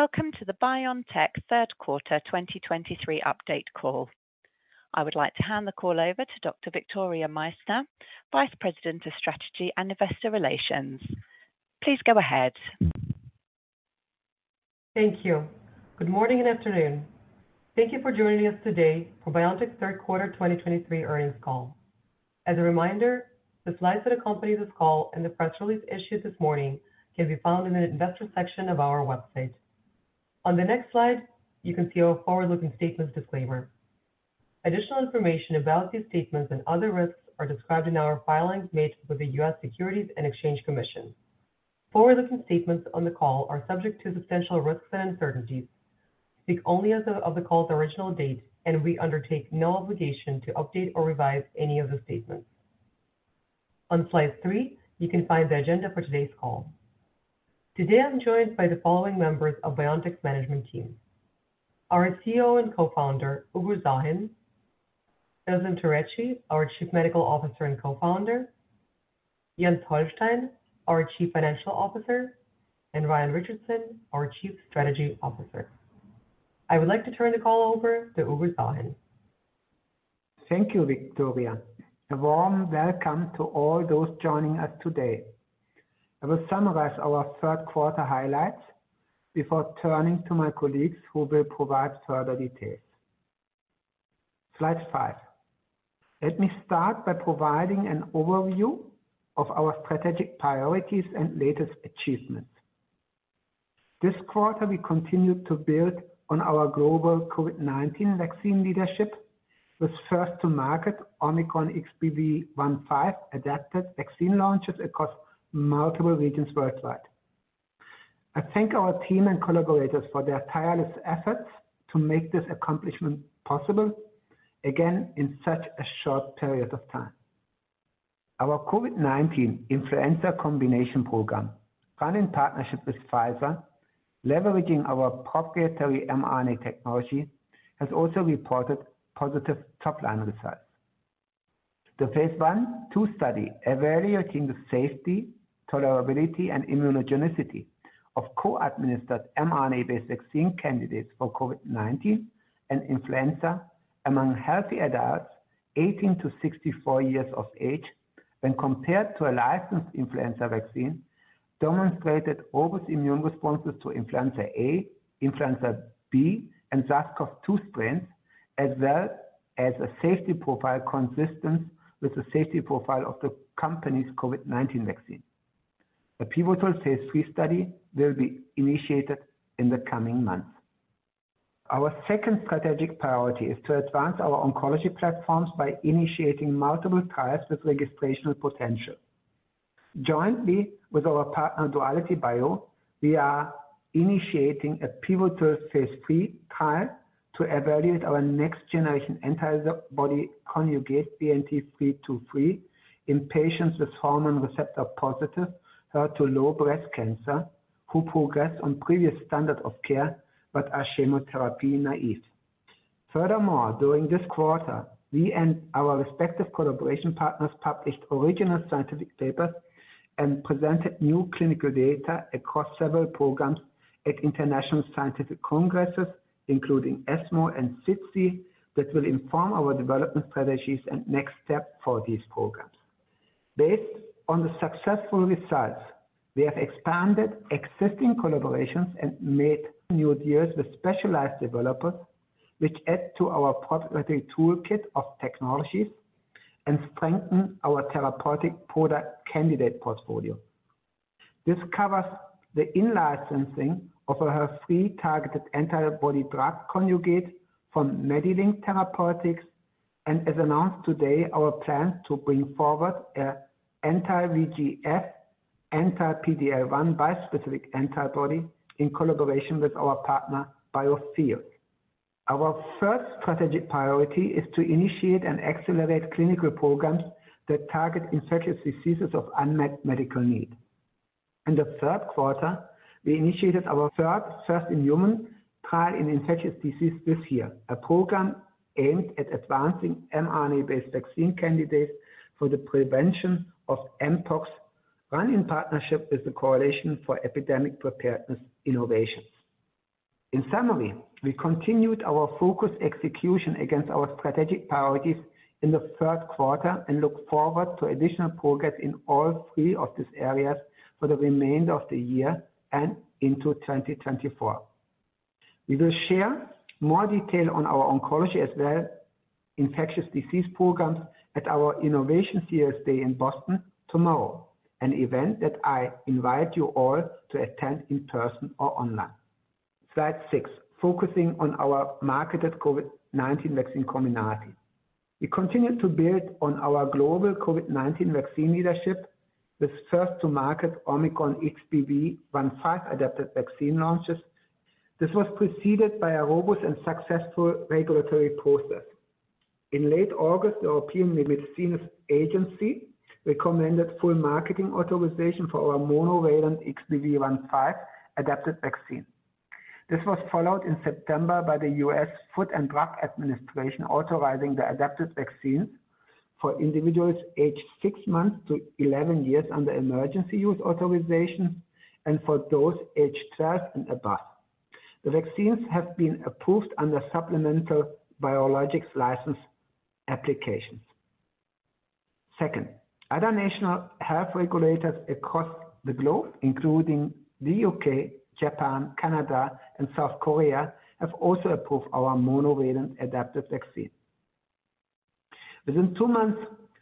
Welcome to the BioNTech third quarter 2023 update call. I would like to hand the call over to Dr. Victoria Meissner, Vice President of Strategy and Investor Relations. Please go ahead. Thank you. Good morning and afternoon. Thank you for joining us today for BioNTech's third quarter 2023 earnings call. As a reminder, the slides that accompany this call and the press release issued this morning can be found in the investor section of our website. On the next slide, you can see our forward-looking statements disclaimer. Additional information about these statements and other risks are described in our filings made with the U.S. Securities and Exchange Commission. Forward-looking statements on the call are subject to substantial risks and uncertainties, speak only as of the call's original date, and we undertake no obligation to update or revise any of the statements. On slide three, you can find the agenda for today's call. Today, I'm joined by the following members of BioNTech's management team: Our CEO and Co-founder, Uğur Şahin, Özlem Türeci, our Chief Medical Officer and Co-founder, Jens Holstein, our Chief Financial Officer, and Ryan Richardson, our Chief Strategy Officer. I would like to turn the call over to Uğur Şahin. Thank you, Victoria. A warm welcome to all those joining us today. I will summarize our third quarter highlights before turning to my colleagues, who will provide further details. Slide five. Let me start by providing an overview of our strategic priorities and latest achievements. This quarter, we continued to build on our global COVID-19 vaccine leadership with first to market Omicron XBB.1.5-adapted vaccine launches across multiple regions worldwide. I thank our team and collaborators for their tireless efforts to make this accomplishment possible, again, in such a short period of time. Our COVID-19 influenza combination program, run in partnership with Pfizer, leveraging our proprietary mRNA technology, has also reported positive top-line results. The phase I/II study evaluating the safety, tolerability, and immunogenicity of co-administered mRNA-based vaccine candidates for COVID-19 and influenza among healthy adults 18 to 64 years of age when compared to a licensed influenza vaccine, demonstrated obvious immune responses to influenza A, influenza B, and SARS-CoV-2 strains, as well as a safety profile consistent with the safety profile of the company's COVID-19 vaccine. The pivotal phase III study will be initiated in the coming months. Our second strategic priority is to advance our oncology platforms by initiating multiple trials with registrational potential. Jointly with our partner, DualityBio, we are initiating a pivotal phase III trial to evaluate our next generation antibody conjugate BNT323 in patients with hormone receptor-positive, HER2-low breast cancer, who progressed on previous standard of care but are chemotherapy-naive. Furthermore, during this quarter, we and our respective collaboration partners published original scientific papers and presented new clinical data across several programs at international scientific congresses, including ESMO and SITC, that will inform our development strategies and next steps for these programs. Based on the successful results, we have expanded existing collaborations and made new deals with specialized developers, which add to our proprietary toolkit of technologies and strengthen our therapeutic product candidate portfolio. This covers the in-licensing of our HER3-targeted antibody-drug conjugate from MediLink Therapeutics, and as announced today, our plan to bring forward an anti-VEGF, anti-PD-L1 bispecific antibody in collaboration with our partner, Biotheus. Our first strategic priority is to initiate and accelerate clinical programs that target infectious diseases of unmet medical need. In the third quarter, we initiated our third first-in-human trial in infectious disease this year, a program aimed at advancing mRNA-based vaccine candidates for the prevention of mpox, run in partnership with the Coalition for Epidemic Preparedness Innovations. In summary, we continued our focused execution against our strategic priorities in the first quarter and look forward to additional progress in all three of these areas for the remainder of the year and into 2024. We will share more detail on our oncology as well, infectious disease programs at our Innovation Series Day in Boston tomorrow, an event that I invite you all to attend in person or online. Slide six, focusing on our marketed COVID-19 vaccine, Comirnaty. We continued to build on our global COVID-19 vaccine leadership with first to market Omicron XBB.1.5-adapted vaccine launches. This was preceded by a robust and successful regulatory process. In late August, the European Medicines Agency recommended full marketing authorization for our monovalent XBB.1.5-adapted vaccine. This was followed in September by the U.S. Food and Drug Administration, authorizing the adapted vaccine for individuals aged six months to 11 years under emergency use authorization and for those aged 12 and above. The vaccines have been approved under supplemental biologics license applications. Second, other national health regulators across the globe, including the U.K., Japan, Canada, and South Korea, have also approved our monovalent adapted vaccine. Within two months,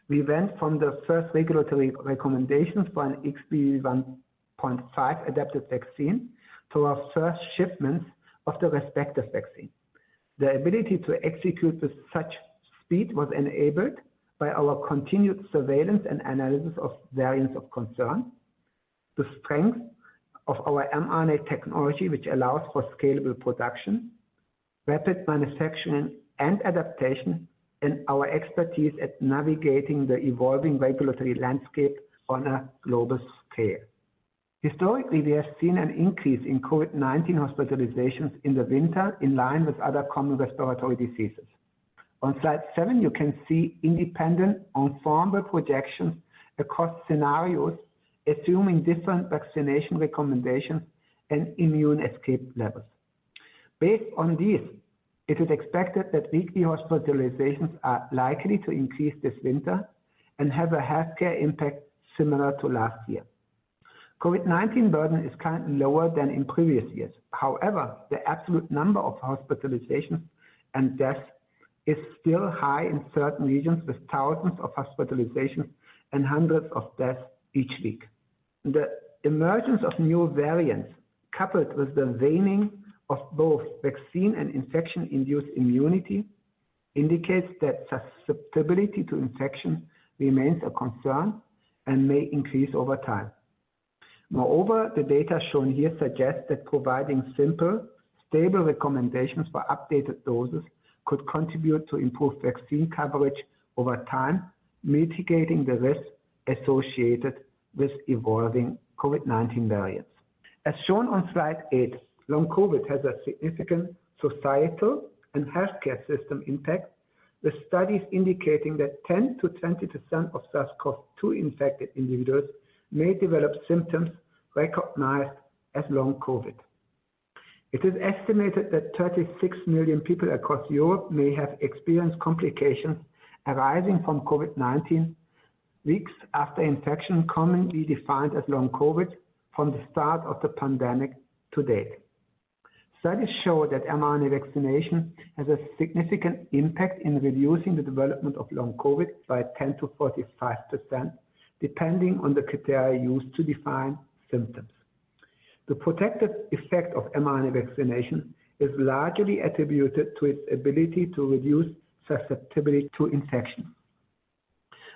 we went from the first regulatory recommendations for an XBB.1.5-adapted vaccine to our first shipments of the respective vaccine. The ability to execute with such speed was enabled by our continued surveillance and analysis of variants of concern, the strength of our mRNA technology, which allows for scalable production, rapid manufacturing and adaptation, and our expertise at navigating the evolving regulatory landscape on a global scale. Historically, we have seen an increase in COVID-19 hospitalizations in the winter, in line with other common respiratory diseases. On slide seven, you can see independent on formal projections across scenarios, assuming different vaccination recommendations and immune escape levels. Based on this, it is expected that weekly hospitalizations are likely to increase this winter and have a healthcare impact similar to last year. COVID-19 burden is currently lower than in previous years. However, the absolute number of hospitalizations and deaths is still high in certain regions, with thousands of hospitalizations and hundreds of deaths each week. The emergence of new variants, coupled with the waning of both vaccine and infection-induced immunity, indicates that susceptibility to infection remains a concern and may increase over time. Moreover, the data shown here suggests that providing simple, stable recommendations for updated doses could contribute to improved vaccine coverage over time, mitigating the risks associated with evolving COVID-19 variants. As shown on slide eight, long COVID has a significant societal and healthcare system impact, with studies indicating that 10%-20% of SARS-CoV-2 infected individuals may develop symptoms recognized as long COVID. It is estimated that 36 million people across Europe may have experienced complications arising from COVID-19 weeks after infection, commonly defined as long COVID, from the start of the pandemic to date. Studies show that mRNA vaccination has a significant impact in reducing the development of long COVID by 10%-45%, depending on the criteria used to define symptoms. The protective effect of mRNA vaccination is largely attributed to its ability to reduce susceptibility to infection.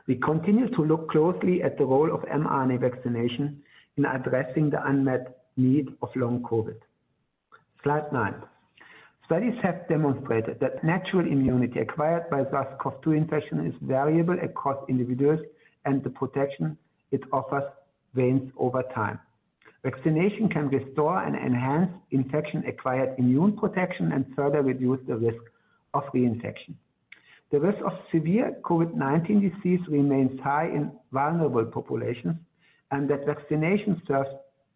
We continue to look closely at the role of mRNA vaccination in addressing the unmet need of long COVID. Slide nine. Studies have demonstrated that natural immunity acquired by SARS-CoV-2 infection is variable across individuals, and the protection it offers wanes over time. Vaccination can restore and enhance infection-acquired immune protection and further reduce the risk of reinfection. The risk of severe COVID-19 disease remains high in vulnerable populations, and that vaccination serves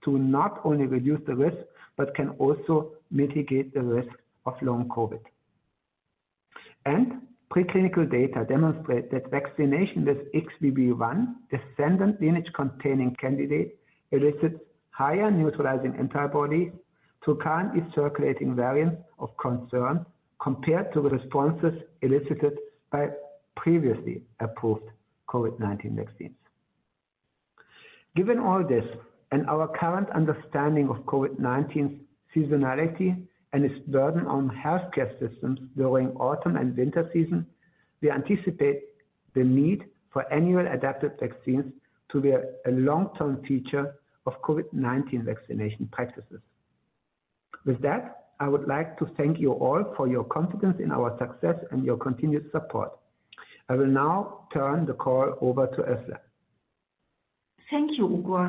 to not only reduce the risk, but can also mitigate the risk of long COVID. Preclinical data demonstrate that vaccination with XBB.1 descendant lineage-containing candidate elicited higher neutralizing antibodies to currently circulating variants of concern, compared to the responses elicited by previously approved COVID-19 vaccines. Given all this and our current understanding of COVID-19 seasonality and its burden on healthcare systems during autumn and winter season, we anticipate the need for annual adaptive vaccines to be a long-term feature of COVID-19 vaccination practices. With that, I would like to thank you all for your confidence in our success and your continued support. I will now turn the call over to Özlem. Thank you, Uğur.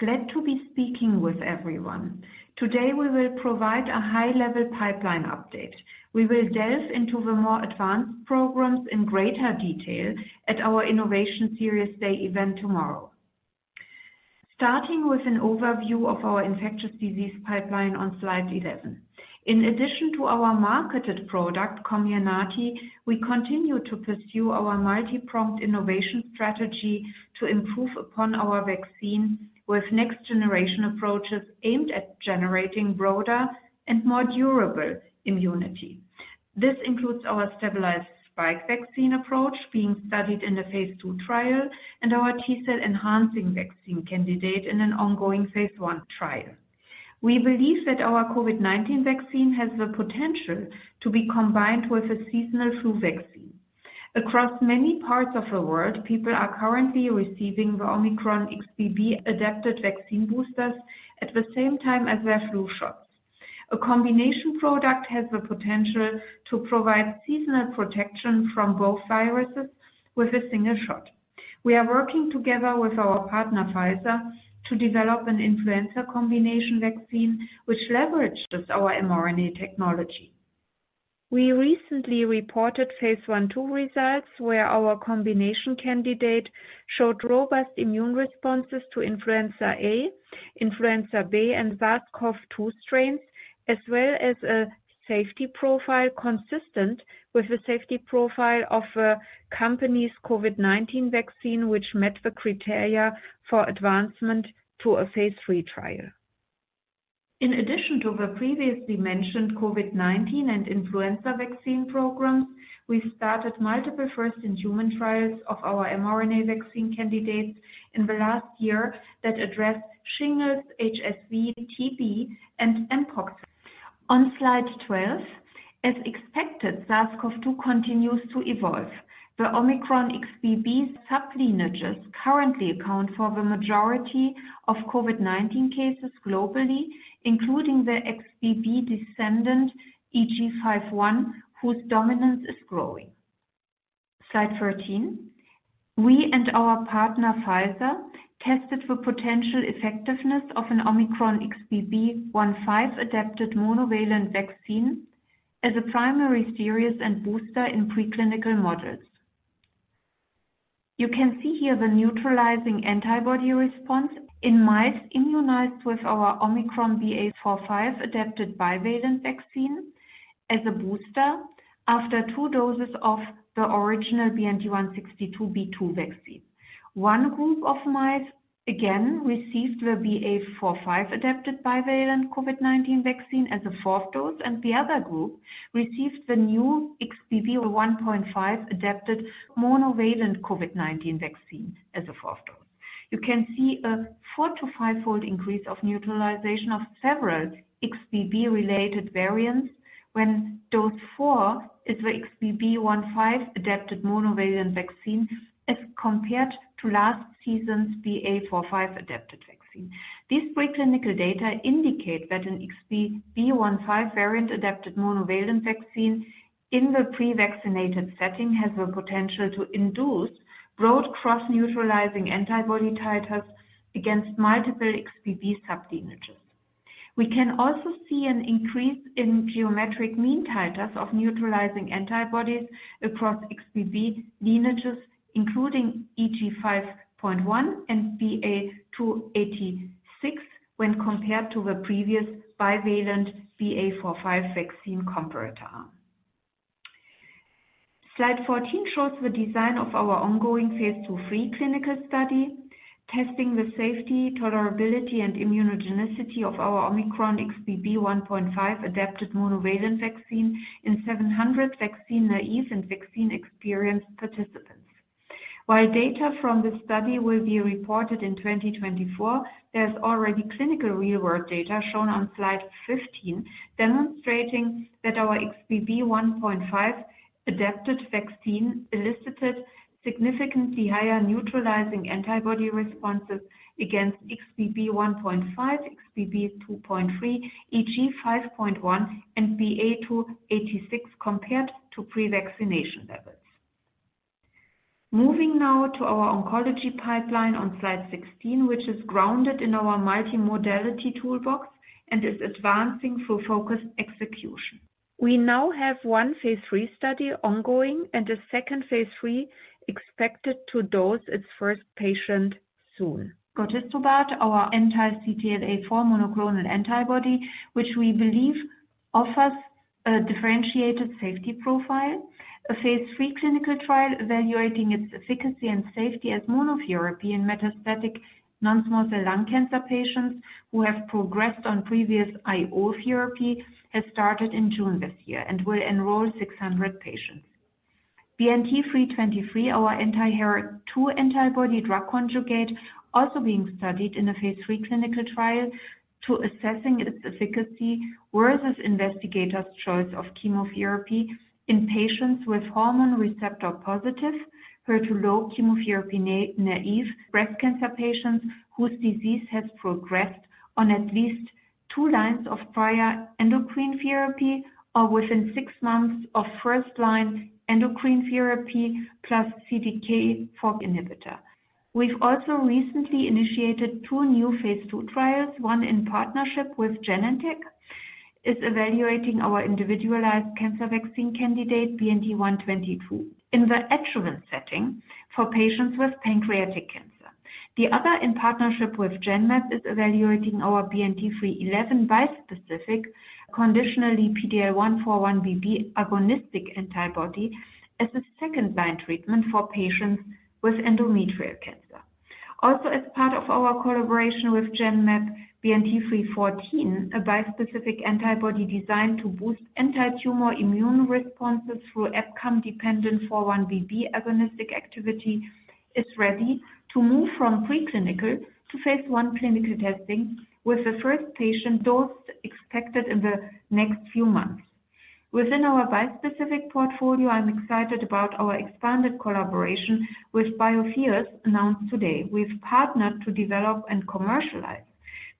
Glad to be speaking with everyone. Today, we will provide a high-level pipeline update. We will delve into the more advanced programs in greater detail at our Innovation Series Day event tomorrow. Starting with an overview of our infectious disease pipeline on slide 11. In addition to our marketed product, Comirnaty, we continue to pursue our multi-pronged innovation strategy to improve upon our vaccine with next generation approaches aimed at generating broader and more durable immunity. This includes our stabilized spike vaccine approach being studied in a phase II trial and our T-cell enhancing vaccine candidate in an ongoing phase I trial. We believe that our COVID-19 vaccine has the potential to be combined with a seasonal flu vaccine. Across many parts of the world, people are currently receiving the Omicron XBB adapted vaccine boosters at the same time as their flu shots. A combination product has the potential to provide seasonal protection from both viruses with a single shot. We are working together with our partner, Pfizer, to develop an influenza combination vaccine, which leverages our mRNA technology. We recently reported phase I/II results, where our combination candidate showed robust immune responses to influenza A, influenza B, and SARS-CoV-2 strains, as well as a safety profile consistent with the safety profile of a company's COVID-19 vaccine, which met the criteria for advancement to a phase III trial. In addition to the previously mentioned COVID-19 and influenza vaccine programs, we started multiple first-in-human trials of our mRNA vaccine candidates in the last year that addressed shingles, HSV, TB, and mpox. On Slide 12, as expected, SARS-CoV-2 continues to evolve. The Omicron XBB sublineages currently account for the majority of COVID-19 cases globally, including the XBB descendant, EG.5.1, whose dominance is growing. Slide 13. We and our partner, Pfizer, tested the potential effectiveness of an Omicron XBB.1.5-adapted monovalent vaccine as a primary series and booster in preclinical models. You can see here the neutralizing antibody response in mice immunized with our Omicron BA.4/BA.5-adapted bivalent vaccine as a booster after two doses of the original BNT162b2 vaccine. One group of mice, again, received the BA.4/BA.5-adapted bivalent COVID-19 vaccine as a fourth dose, and the other group received the new XBB.1.5-adapted monovalent COVID-19 vaccine as a fourth dose. You can see a four to five-fold increase of neutralization of several XBB-related variants when dose four is the XBB.1.5-adapted monovalent vaccine as compared to last season's BA.4/BA.5-adapted vaccine. These preclinical data indicate that an XBB.1.5 variant-adapted monovalent vaccine in the pre-vaccinated setting, has the potential to induce broad cross-neutralizing antibody titers against multiple XBB sublineages. We can also see an increase in geometric mean titers of neutralizing antibodies across XBB lineages, including EG.5.1 and BA.2.86, when compared to the previous bivalent BA.4/5 vaccine comparator arm. Slide 14 shows the design of our ongoing phase II/III clinical study, testing the safety, tolerability, and immunogenicity of our Omicron XBB.1.5-adapted monovalent vaccine in 700 vaccine naive and vaccine-experienced participants. While data from this study will be reported in 2024, there's already clinical real-world data shown on Slide 15, demonstrating that our XBB.1.5-adapted vaccine elicited significantly higher neutralizing antibody responses against XBB.1.5, XBB.2.3, EG.5.1, and BA.2.86, compared to pre-vaccination levels. Moving now to our oncology pipeline on Slide 16, which is grounded in our multimodality toolbox and is advancing through focused execution. We now have one phase III study ongoing and a second phase III expected to dose its first patient soon. Gotistobart, our anti-CTLA-4 monoclonal antibody, which we believe offers a differentiated safety profile. A phase III clinical trial evaluating its efficacy and safety as monotherapy in metastatic non-small cell lung cancer patients who have progressed on previous IO therapy, has started in June this year and will enroll 600 patients. BNT323, our anti-HER2 antibody drug conjugate, also being studied in a phase III clinical trial to assessing its efficacy versus investigator's choice of chemotherapy in patients with hormone receptor positive, HER2-low chemotherapy naive breast cancer patients whose disease has progressed on at least two lines of prior endocrine therapy, or within six months of first-line endocrine therapy plus CDK4 inhibitor. We've also recently initiated two new phase II trials. One in partnership with Genentech, is evaluating our individualized cancer vaccine candidate, BNT122, in the adjuvant setting for patients with pancreatic cancer. The other, in partnership with Genmab, is evaluating our BNT311 bispecific, conditionally PD-L1x4-1BB agonistic antibody as a second-line treatment for patients with endometrial cancer. Also, as part of our collaboration with Genmab, BNT314, a bispecific antibody designed to boost antitumor immune responses through EpCAM-dependent 4-1BB agonistic activity, is ready to move from preclinical to phase I clinical testing, with the first patient dose expected in the next few months. Within our bispecific portfolio, I'm excited about our expanded collaboration with Biotheus, announced today. We've partnered to develop and commercialize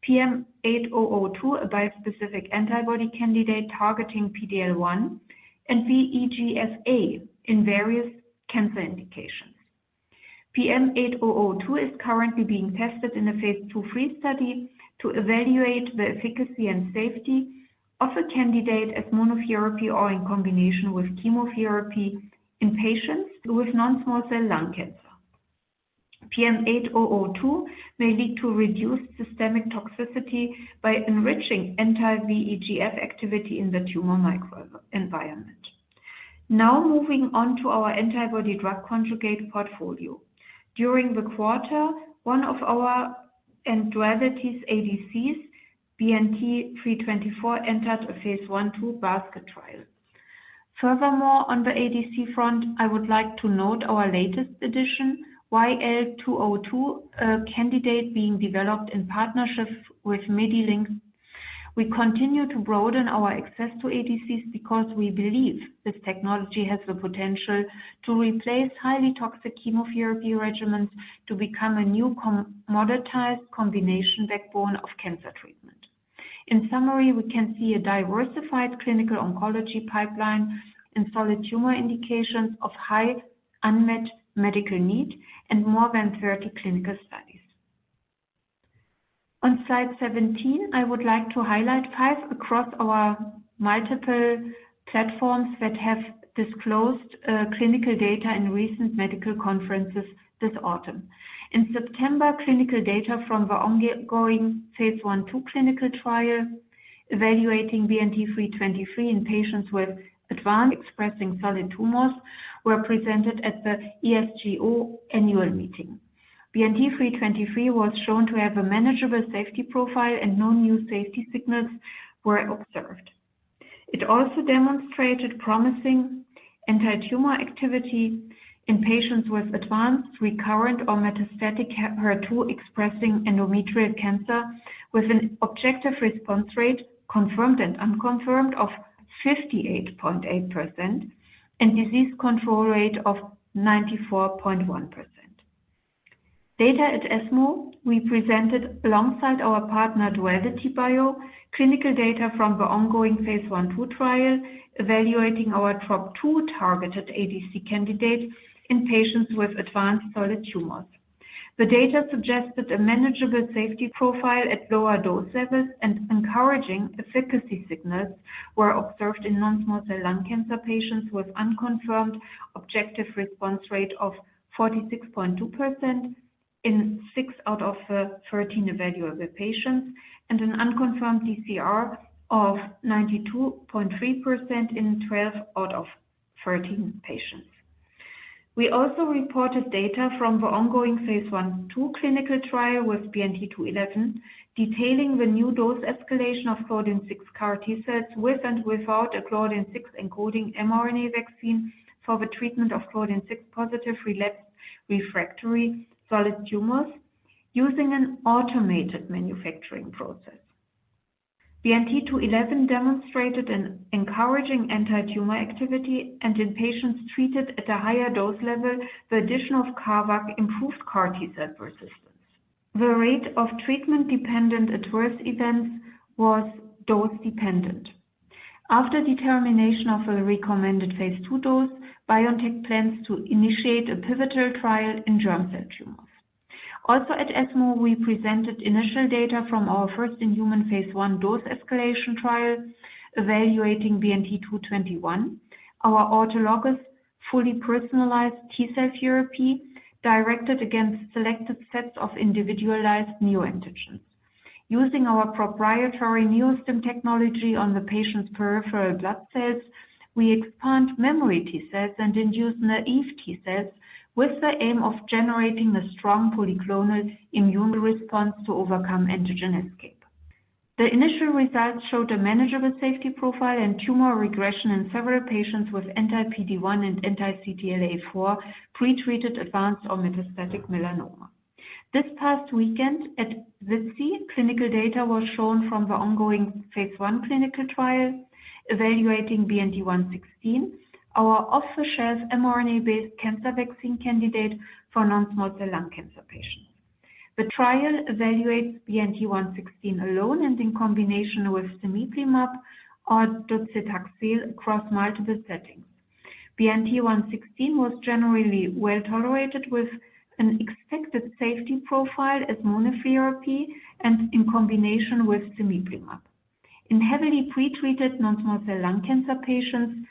PM8002, a bispecific antibody candidate targeting PD-L1 and VEGF-A in various cancer indications. PM8002 is currently being tested in a phase II/III study to evaluate the efficacy and safety of the candidate as monotherapy or in combination with chemotherapy in patients with non-small cell lung cancer. PM8002 may lead to reduced systemic toxicity by enriching anti-VEGF activity in the tumor microenvironment. Now moving on to our antibody-drug conjugate portfolio. During the quarter, one of our and Duality's ADCs, BNT324, entered a phase I/II basket trial. Furthermore, on the ADC front, I would like to note our latest addition, YL202, a candidate being developed in partnership with MediLink. We continue to broaden our access to ADCs because we believe this technology has the potential to replace highly toxic chemotherapy regimens to become a new commercialized combination backbone of cancer treatment. In summary, we can see a diversified clinical oncology pipeline in solid tumor indications of high unmet medical need and more than 30 clinical studies. On slide 17, I would like to highlight five across our multiple platforms that have disclosed clinical data in recent medical conferences this autumn. In September, clinical data from the ongoing phase I/II clinical trial evaluating BNT323 in patients with advanced HER2-expressing solid tumors were presented at the ESGO annual meeting. BNT323 was shown to have a manageable safety profile and no new safety signals were observed. It also demonstrated promising anti-tumor activity in patients with advanced, recurrent, or metastatic HER2-expressing endometrial cancer, with an objective response rate confirmed and unconfirmed of 58.8%, and disease control rate of 94.1%. At ESMO, we presented alongside our partner, DualityBio, clinical data from the ongoing phase I/II trial evaluating our TROP2-targeted ADC candidates in patients with advanced solid tumors. The data suggested a manageable safety profile at lower dose levels, and encouraging efficacy signals were observed in non-small cell lung cancer patients with unconfirmed objective response rate of 46.2% in six out of 13 evaluable patients, and an unconfirmed DCR of 92.3% in 12 out of 13 patients. We also reported data from the ongoing phase I/II clinical trial with BNT211, detailing the new dose escalation of Claudin-6 CAR-T cells with and without a Claudin-6 encoding mRNA vaccine for the treatment of Claudin-6 positive relapsed refractory solid tumors using an automated manufacturing process. BNT211 demonstrated an encouraging anti-tumor activity, and in patients treated at a higher dose level, the addition of CARVac improved CAR-T cell persistence. The rate of treatment-dependent adverse events was dose-dependent. After determination of a recommended phase II dose, BioNTech plans to initiate a pivotal trial in germ cell tumors. Also at ESMO, we presented initial data from our first in human phase I dose escalation trial evaluating BNT221, our autologous, fully personalized T-cell therapy directed against selected sets of individualized neoantigens. Using our proprietary NEO-STIM technology on the patient's peripheral blood cells, we expand memory T-cells and induce naive T-cells with the aim of generating a strong polyclonal immune response to overcome antigen escape. The initial results showed a manageable safety profile and tumor regression in several patients with anti-PD-1 and anti-CTLA-4, pretreated advanced or metastatic melanoma. This past weekend at the SITC, clinical data was shown from the ongoing phase I clinical trial evaluating BNT116, our off-the-shelf mRNA-based cancer vaccine candidate for non-small cell lung cancer patients. The trial evaluates BNT116 alone and in combination with cemiplimab or docetaxel across multiple settings. BNT116 was generally well tolerated, with an expected safety profile as monotherapy and in combination with cemiplimab. In heavily pretreated non-small cell lung cancer patients,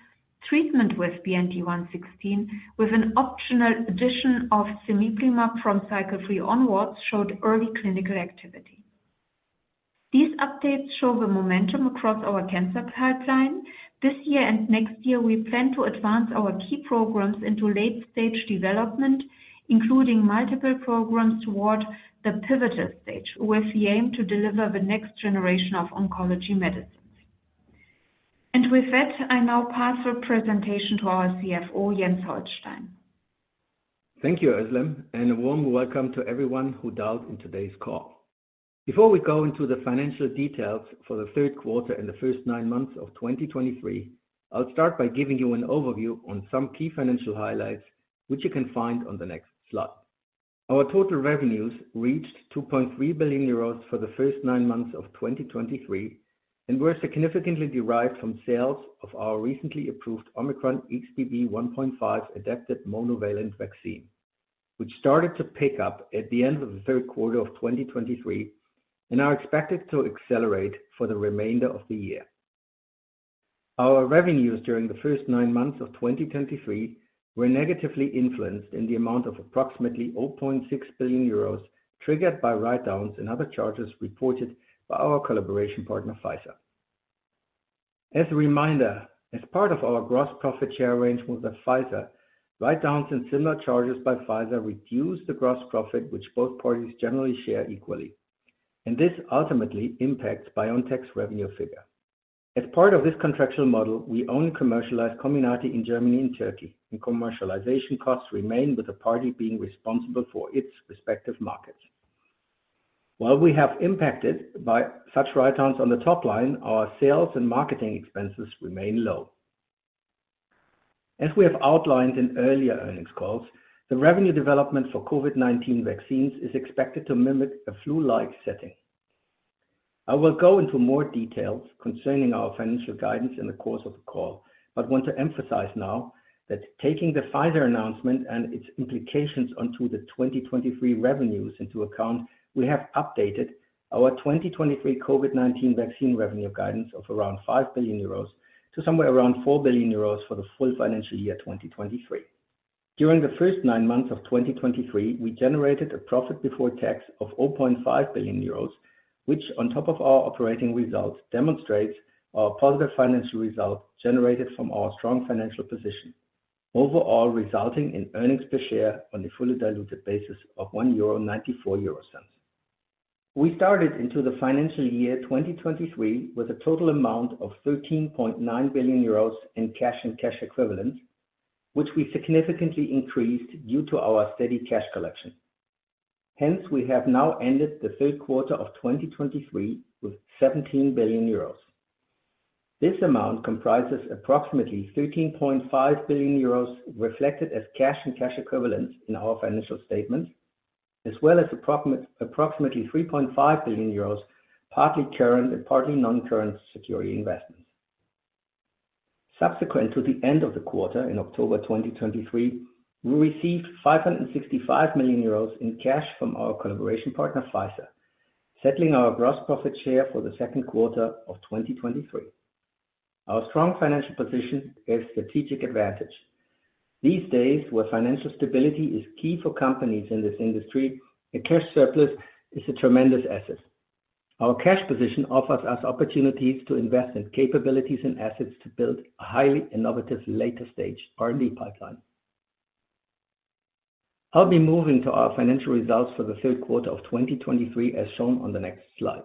treatment with BNT116, with an optional addition of cemiplimab from cycle three onwards, showed early clinical activity. These updates show the momentum across our cancer pipeline. This year and next year, we plan to advance our key programs into late-stage development, including multiple programs toward the pivotal stage, with the aim to deliver the next generation of oncology medicines. With that, I now pass the presentation to our CFO, Jens Holstein. Thank you, Özlem, and a warm welcome to everyone who dialed in today's call. Before we go into the financial details for the third quarter and the first nine months of 2023, I'll start by giving you an overview on some key financial highlights, which you can find on the next slide. Our total revenues reached 2.3 billion euros for the first nine months of 2023, and were significantly derived from sales of our recently approved Omicron XBB.1.5-adapted monovalent vaccine, which started to pick up at the end of the third quarter of 2023, and are expected to accelerate for the remainder of the year. Our revenues during the first nine months of 2023 were negatively influenced in the amount of approximately 0.6 billion euros, triggered by write-downs and other charges reported by our collaboration partner, Pfizer. As a reminder, as part of our gross profit share arrangement with Pfizer, write-downs and similar charges by Pfizer reduce the gross profit, which both parties generally share equally, and this ultimately impacts BioNTech's revenue figure. As part of this contractual model, we only commercialize Comirnaty in Germany and Turkey, and commercialization costs remain with the party being responsible for its respective markets. While we have impacted by such write-downs on the top line, our sales and marketing expenses remain low. As we have outlined in earlier earnings calls, the revenue development for COVID-19 vaccines is expected to mimic a flu-like setting. I will go into more details concerning our financial guidance in the course of the call, but want to emphasize now that taking the Pfizer announcement and its implications onto the 2023 revenues into account, we have updated our 2023 COVID-19 vaccine revenue guidance of around 5 billion euros to somewhere around 4 billion euros for the full financial year 2023. During the first nine months of 2023, we generated a profit before tax of 0.5 billion euros, which on top of our operating results, demonstrates our positive financial results generated from our strong financial position. Overall, resulting in earnings per share on a fully diluted basis of 1.94 euro. We started into the financial year 2023, with a total amount of 13.9 billion euros in cash and cash equivalents, which we significantly increased due to our steady cash collection. Hence, we have now ended the third quarter of 2023 with 17 billion euros. This amount comprises approximately 13.5 billion euros, reflected as cash and cash equivalents in our financial statements, as well as approximately 3.5 billion euros, partly current and partly non-current security investments. Subsequent to the end of the quarter, in October 2023, we received 565 million euros in cash from our collaboration partner, Pfizer, settling our gross profit share for the second quarter of 2023. Our strong financial position is a strategic advantage. These days, where financial stability is key for companies in this industry, a cash surplus is a tremendous asset. Our cash position offers us opportunities to invest in capabilities and assets to build a highly innovative later-stage R&D pipeline. I'll be moving to our financial results for the third quarter of 2023, as shown on the next slide.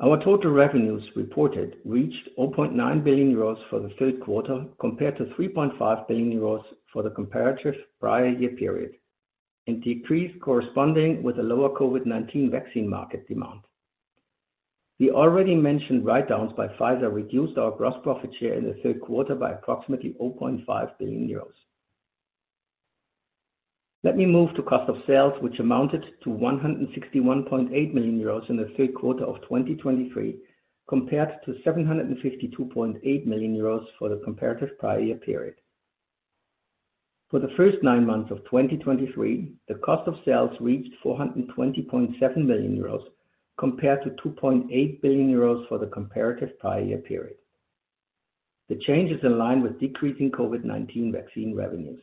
Our total revenues reported reached 0.9 billion euros for the third quarter, compared to 3.5 billion euros for the comparative prior-year period, and decreased corresponding with the lower COVID-19 vaccine market demand. The already mentioned write-downs by Pfizer reduced our gross profit share in the third quarter by approximately 0.5 billion euros. Let me move to cost of sales, which amounted to 161.8 million euros in the third quarter of 2023, compared to 752.8 million euros for the comparative prior-year period. For the first nine months of 2023, the cost of sales reached 420.7 million euros, compared to 2.8 billion euros for the comparative prior-year period. The change is in line with decreasing COVID-19 vaccine revenues.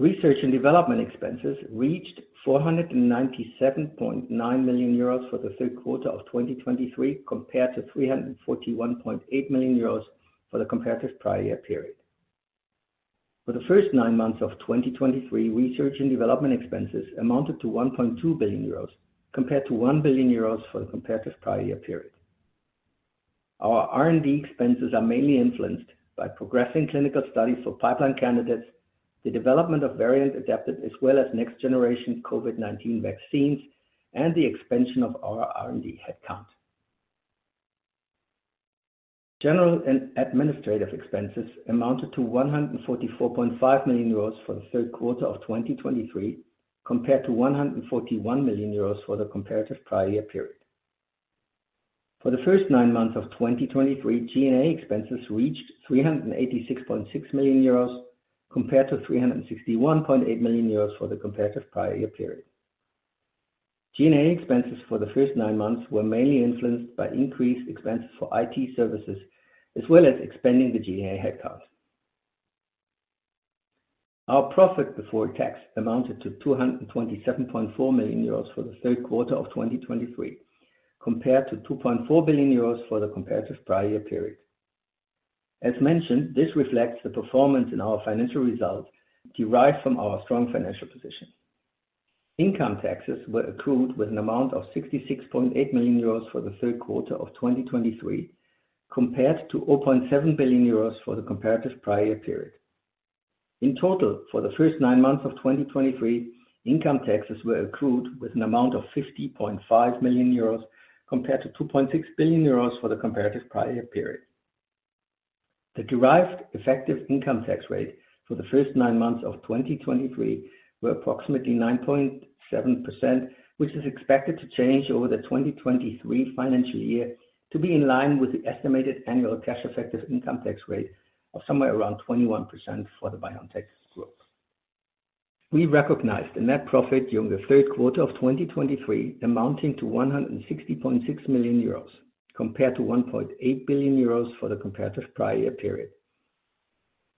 Research and development expenses reached 497.9 million euros for the third quarter of 2023, compared to 341.8 million euros for the comparative prior year period. For the first nine months of 2023, research and development expenses amounted to 1.2 billion euros, compared to 1 billion euros for the comparative prior year period. Our R&D expenses are mainly influenced by progressing clinical studies for pipeline candidates, the development of variant-adapted, as well as next-generation COVID-19 vaccines, and the expansion of our R&D headcount. General and administrative expenses amounted to 144.5 million euros for the third quarter of 2023, compared to 141 million euros for the comparative prior year period. For the first nine months of 2023, G&A expenses reached 386.6 million euros, compared to 361.8 million euros for the comparative prior year period. G&A expenses for the first nine months were mainly influenced by increased expenses for IT services, as well as expanding the G&A headcount. Our profit before tax amounted to 227.4 million euros for the third quarter of 2023, compared to 2.4 billion euros for the comparative prior year period. As mentioned, this reflects the performance in our financial results derived from our strong financial position. Income taxes were accrued with an amount of 66.8 million euros for the third quarter of 2023, compared to 0.7 billion euros for the comparative prior period. In total, for the first nine months of 2023, income taxes were accrued with an amount of 50.5 million euros, compared to 2.6 billion euros for the comparative prior period. The derived effective income tax rate for the first nine months of 2023 were approximately 9.7%, which is expected to change over the 2023 financial year to be in line with the estimated annual cash effective income tax rate of somewhere around 21% for the BioNTech group. We recognized the net profit during the third quarter of 2023, amounting to 160.6 million euros, compared to 1.8 billion euros for the comparative prior period.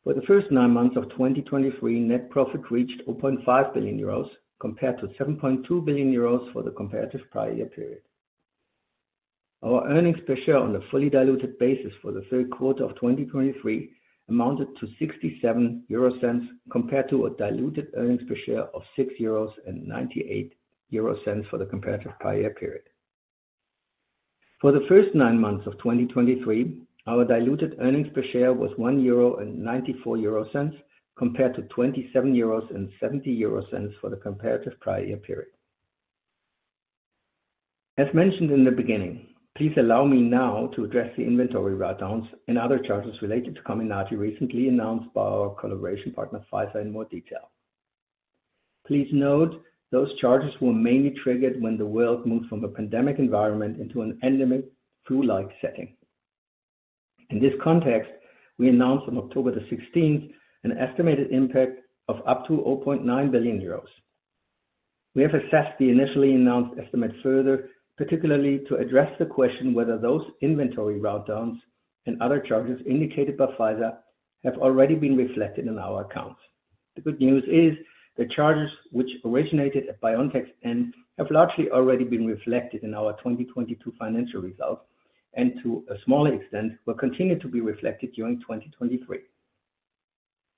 For the first nine months of 2023, net profit reached 4.5 billion euros, compared to 7.2 billion euros for the comparative prior period. Our earnings per share on a fully diluted basis for the third quarter of 2023 amounted to 0.67, compared to a diluted earnings per share of 6.98 euros for the comparative prior period. For the first nine months of 2023, our diluted earnings per share was 1.94 euro, compared to 27.70 euros for the comparative prior period. As mentioned in the beginning, please allow me now to address the inventory write-downs and other charges related to Comirnaty, recently announced by our collaboration partner, Pfizer, in more detail. Please note, those charges were mainly triggered when the world moved from a pandemic environment into an endemic flu-like setting. In this context, we announced on October 16, an estimated impact of up to 0.9 billion euros. We have assessed the initially announced estimate further, particularly to address the question whether those inventory write-downs and other charges indicated by Pfizer have already been reflected in our accounts. The good news is, the charges which originated at BioNTech's end, have largely already been reflected in our 2022 financial results, and to a smaller extent, will continue to be reflected during 2023.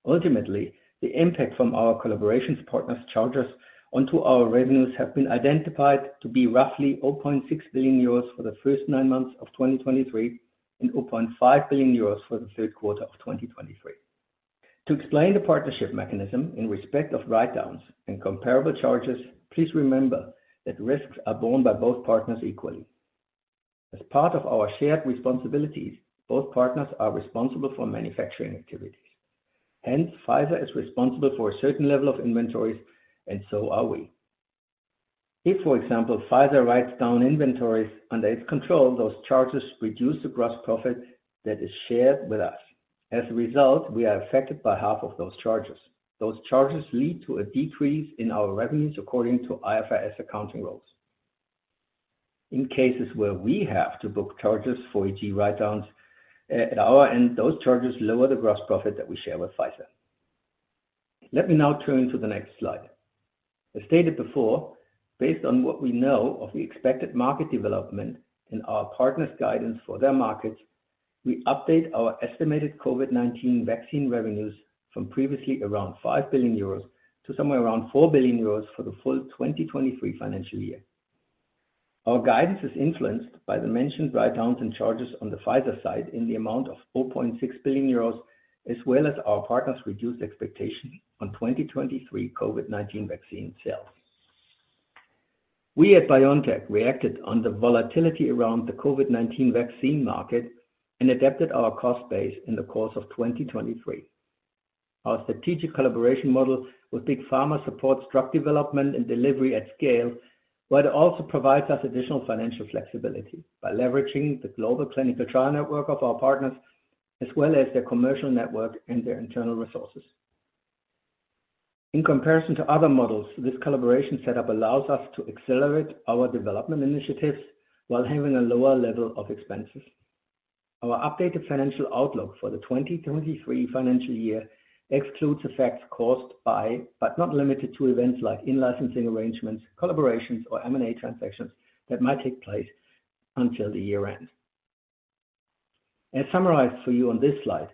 Ultimately, the impact from our collaboration partners' charges onto our revenues have been identified to be roughly 0.6 billion euros for the first nine months of 2023, and 0.5 billion euros for the third quarter of 2023. To explain the partnership mechanism in respect of write-downs and comparable charges, please remember that risks are borne by both partners equally. As part of our shared responsibilities, both partners are responsible for manufacturing activities. Hence, Pfizer is responsible for a certain level of inventories, and so are we. If, for example, Pfizer writes down inventories under its control, those charges reduce the gross profit that is shared with us. As a result, we are affected by half of those charges. Those charges lead to a decrease in our revenues, according to IFRS accounting rules. In cases where we have to book charges for, e.g., write-downs, at our end, those charges lower the gross profit that we share with Pfizer. Let me now turn to the next slide. As stated before, based on what we know of the expected market development and our partners' guidance for their markets, we update our estimated COVID-19 vaccine revenues from previously around 5 billion euros to somewhere around 4 billion euros for the full 2023 financial year. Our guidance is influenced by the mentioned write-downs and charges on the Pfizer side in the amount of 0.6 billion euros, as well as our partners' reduced expectation on 2023 COVID-19 vaccine sales. We at BioNTech reacted on the volatility around the COVID-19 vaccine market and adapted our cost base in the course of 2023. Our strategic collaboration model with Big Pharma supports drug development and delivery at scale, but it also provides us additional financial flexibility by leveraging the global clinical trial network of our partners, as well as their commercial network and their internal resources. In comparison to other models, this collaboration setup allows us to accelerate our development initiatives while having a lower level of expenses. Our updated financial outlook for the 2023 financial year excludes effects caused by, but not limited to events like in-licensing arrangements, collaborations, or M&A transactions that might take place until the year end. As summarized for you on this slide,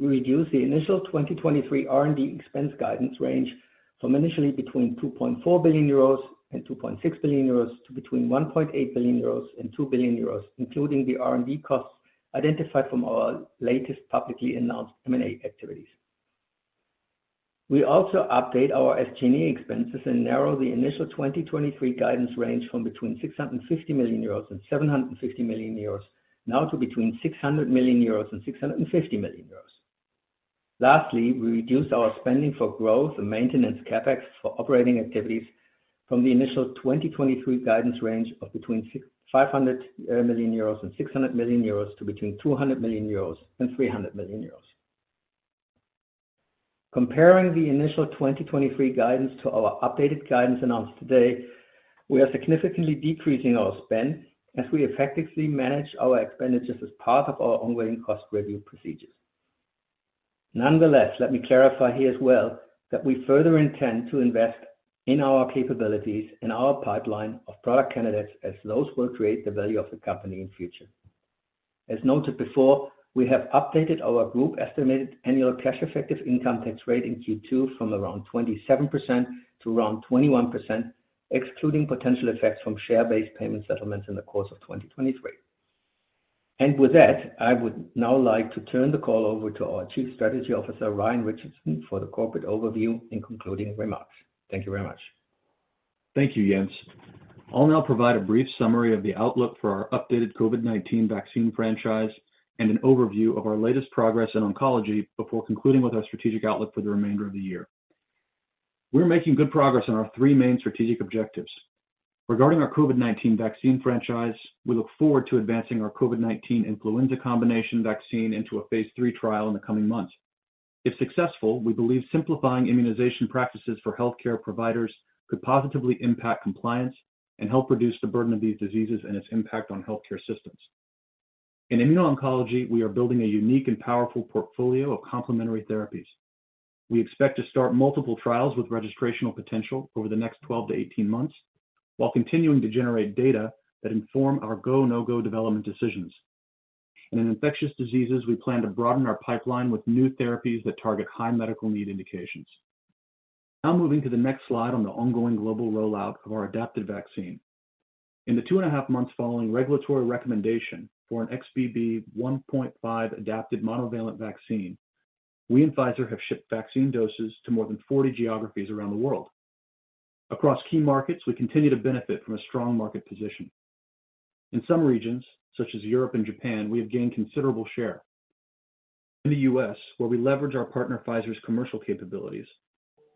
we reduce the initial 2023 R&D expense guidance range from initially between 2.4 billion euros and 2.6 billion euros to between 1.8 billion euros and 2 billion euros, including the R&D costs identified from our latest publicly announced M&A activities. We also update our SG&A expenses and narrow the initial 2023 guidance range from between 650 million euros and 750 million euros, now to between 600 million euros and 650 million euros. Lastly, we reduced our spending for growth and maintenance CapEx for operating activities from the initial 2023 guidance range of between 500 million euros and 600 million euros to between 200 million euros and 300 million euros. Comparing the initial 2023 guidance to our updated guidance announced today, we are significantly decreasing our spend as we effectively manage our expenditures as part of our ongoing cost review procedures. Nonetheless, let me clarify here as well, that we further intend to invest in our capabilities and our pipeline of product candidates as those will create the value of the company in future. As noted before, we have updated our group estimated annual cash effective income tax rate in Q2 from around 27% to around 21%, excluding potential effects from share-based payment settlements in the course of 2023. With that, I would now like to turn the call over to our Chief Strategy Officer, Ryan Richardson, for the corporate overview and concluding remarks. Thank you very much. Thank you, Jens. I'll now provide a brief summary of the outlook for our updated COVID-19 vaccine franchise and an overview of our latest progress in oncology, before concluding with our strategic outlook for the remainder of the year. We're making good progress on our three main strategic objectives. Regarding our COVID-19 vaccine franchise, we look forward to advancing our COVID-19 influenza combination vaccine into a phase III trial in the coming months. If successful, we believe simplifying immunization practices for healthcare providers could positively impact compliance and help reduce the burden of these diseases and its impact on healthcare systems. In immuno-oncology, we are building a unique and powerful portfolio of complementary therapies. We expect to start multiple trials with registrational potential over the next 12 to 18 months, while continuing to generate data that inform our go, no-go development decisions. In infectious diseases, we plan to broaden our pipeline with new therapies that target high medical need indications. Now moving to the next slide on the ongoing global rollout of our adapted vaccine. In the 2.5 months following regulatory recommendation for an XBB.1.5-adapted monovalent vaccine, we and Pfizer have shipped vaccine doses to more than 40 geographies around the world. Across key markets, we continue to benefit from a strong market position. In some regions, such as Europe and Japan, we have gained considerable share. In the U.S., where we leverage our partner, Pfizer's commercial capabilities,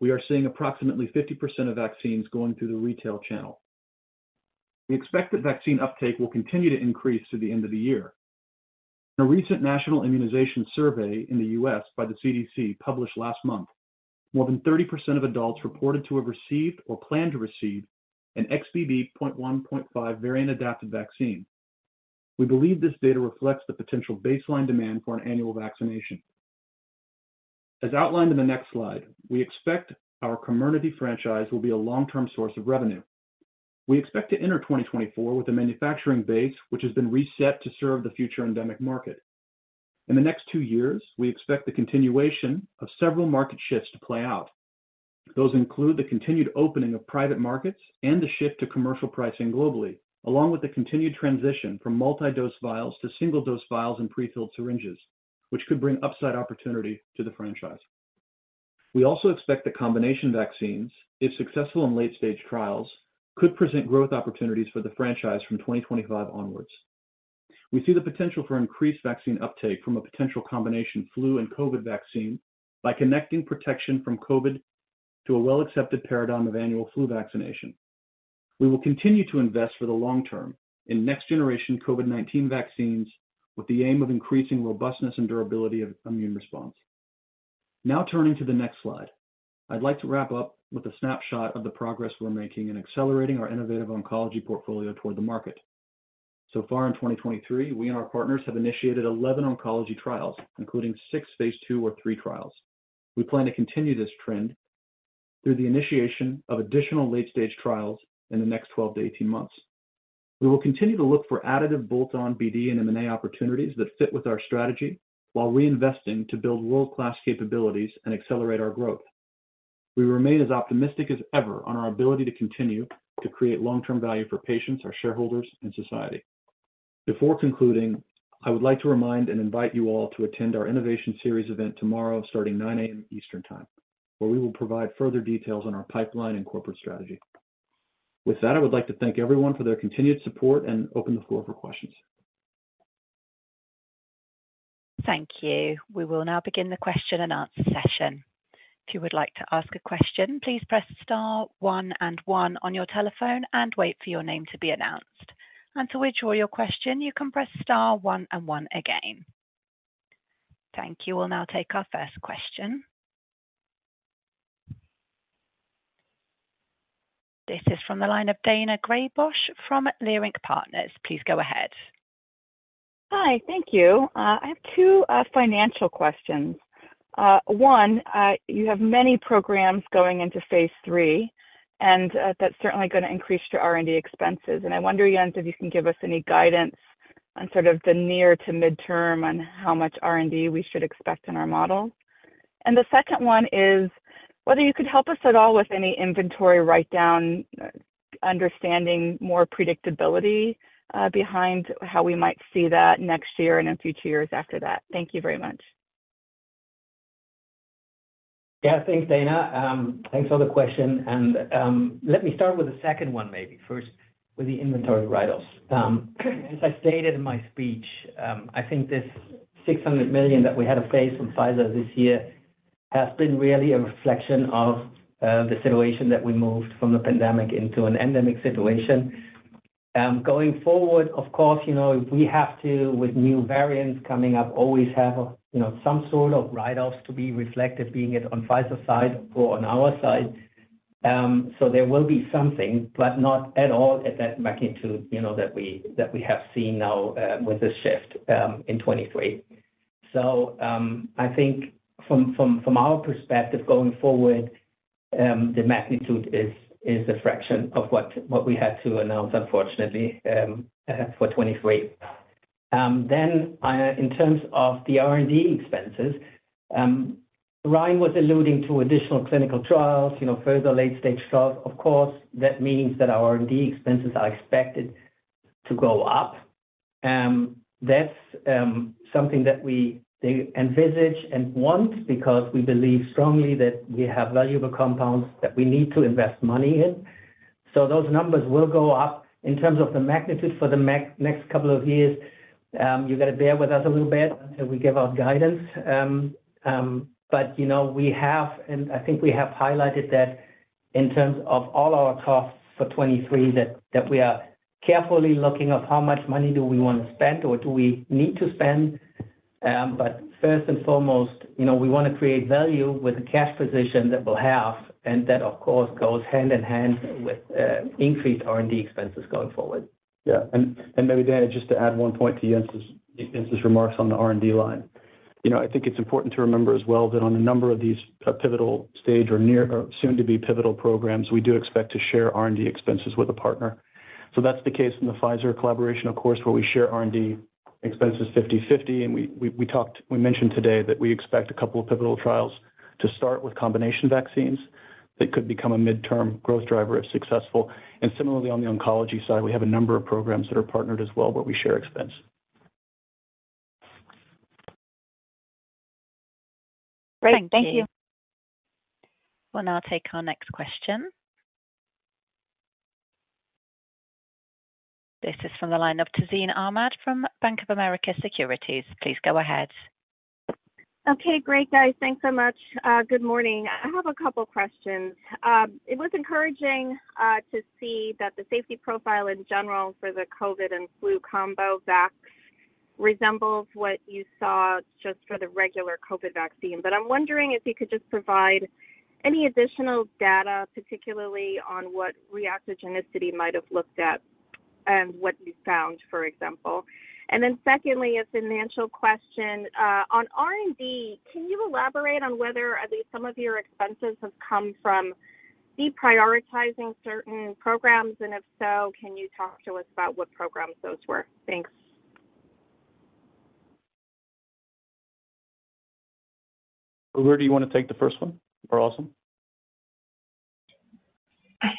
we are seeing approximately 50% of vaccines going through the retail channel. We expect that vaccine uptake will continue to increase through the end of the year. In a recent national immunization survey in the U.S. by the CDC, published last month, more than 30% of adults reported to have received or planned to receive an XBB.1.5 variant-adapted vaccine. We believe this data reflects the potential baseline demand for an annual vaccination. As outlined in the next slide, we expect our Comirnaty franchise will be a long-term source of revenue. We expect to enter 2024 with a manufacturing base, which has been reset to serve the future endemic market. In the next two years, we expect the continuation of several market shifts to play out. Those include the continued opening of private markets and the shift to commercial pricing globally, along with the continued transition from multi-dose vials to single-dose vials and prefilled syringes, which could bring upside opportunity to the franchise. We also expect the combination vaccines, if successful in late-stage trials, could present growth opportunities for the franchise from 2025 onwards. We see the potential for increased vaccine uptake from a potential combination flu and COVID vaccine by connecting protection from COVID to a well-accepted paradigm of annual flu vaccination. We will continue to invest for the long term in next-generation COVID-19 vaccines, with the aim of increasing robustness and durability of immune response. Now turning to the next slide. I'd like to wrap up with a snapshot of the progress we're making in accelerating our innovative oncology portfolio toward the market. So far in 2023, we and our partners have initiated 11 oncology trials, including six phase II or III trials. We plan to continue this trend through the initiation of additional late-stage trials in the next 12 to 18 months. We will continue to look for additive bolt-on BD and M&A opportunities that fit with our strategy, while reinvesting to build world-class capabilities and accelerate our growth. We remain as optimistic as ever on our ability to continue to create long-term value for patients, our shareholders, and society. Before concluding, I would like to remind and invite you all to attend our innovation series event tomorrow, starting 9:00 A.M. Eastern Time, where we will provide further details on our pipeline and corporate strategy. With that, I would like to thank everyone for their continued support and open the floor for questions. Thank you. We will now begin the question and answer session. If you would like to ask a question, please press star one and one on your telephone and wait for your name to be announced. To withdraw your question, you can press star one and one again. Thank you. We'll now take our first question. This is from the line of Daina Graybosch from Leerink Partners. Please go ahead. Hi. Thank you. I have two financial questions. One, you have many programs going into phase III, and that's certainly going to increase your R&D expenses. I wonder, Jens, if you can give us any guidance on sort of the near to midterm on how much R&D we should expect in our model? The second one is whether you could help us at all with any inventory write-down, understanding more predictability behind how we might see that next year and in future years after that. Thank you very much. Yeah. Thanks, Daina. Thanks for the question, and let me start with the second one, maybe first, with the inventory write-offs. As I stated in my speech, I think this 600 million that we had to face from Pfizer this year has been really a reflection of the situation that we moved from the pandemic into an endemic situation. Going forward, of course, you know, we have to, with new variants coming up, always have, you know, some sort of write-offs to be reflected, be it on Pfizer's side or on our side. So there will be something, but not at all at that magnitude, you know, that we, that we have seen now, with this shift, in 2023. So, I think from our perspective, going forward, the magnitude is a fraction of what we had to announce, unfortunately, for 2023. Then, in terms of the R&D expenses, Ryan was alluding to additional clinical trials, you know, further late-stage trials. Of course, that means that our R&D expenses are expected to go up. That's something that we, they envisage and want because we believe strongly that we have valuable compounds that we need to invest money in. So those numbers will go up. In terms of the magnitude for the next couple of years, you got to bear with us a little bit until we give our guidance. But, you know, we have, and I think we have highlighted that in terms of all our costs for 2023, that, that we are carefully looking at how much money do we want to spend or do we need to spend. But first and foremost, you know, we want to create value with the cash position that we'll have, and that, of course, goes hand in hand with increased R&D expenses going forward. Yeah. And maybe, Daina, just to add one point to Jens's remarks on the R&D line. You know, I think it's important to remember as well that on a number of these pivotal stage or near or soon-to-be pivotal programs, we do expect to share R&D expenses with a partner. So that's the case in the Pfizer collaboration, of course, where we share R&D expenses 50/50, and we mentioned today that we expect a couple of pivotal trials to start with combination vaccines that could become a midterm growth driver if successful. And similarly, on the oncology side, we have a number of programs that are partnered as well, where we share expense. Great, thank you. We'll now take our next question. This is from the line of Tazeen Ahmad from Bank of America Securities. Please go ahead. Okay, great, guys. Thanks so much. Good morning. I have a couple of questions. It was encouraging to see that the safety profile in general for the COVID and flu combo vax resembles what you saw just for the regular COVID vaccine. But I'm wondering if you could just provide any additional data, particularly on what reactogenicity might have looked like and what you found, for example. And then secondly, a financial question on R&D, can you elaborate on whether at least some of your expenses have come from deprioritizing certain programs? And if so, can you talk to us about what programs those were? Thanks. Uğur, do you want to take the first one or Özlem?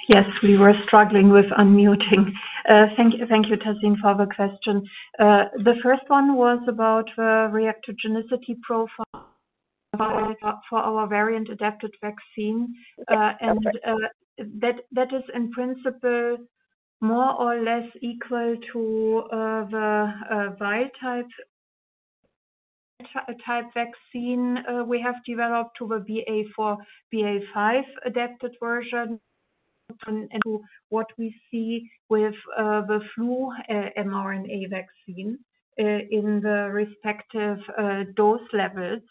Yes, we were struggling with unmuting. Thank you. Thank you, Tazeen, for the question. The first one was about the reactogenicity profile for our variant-adapted vaccine. And that is in principle more or less equal to the bivalent vaccine we have developed to the BA.4/BA.5 adapted version, and what we see with the flu mRNA vaccine in the respective dose levels.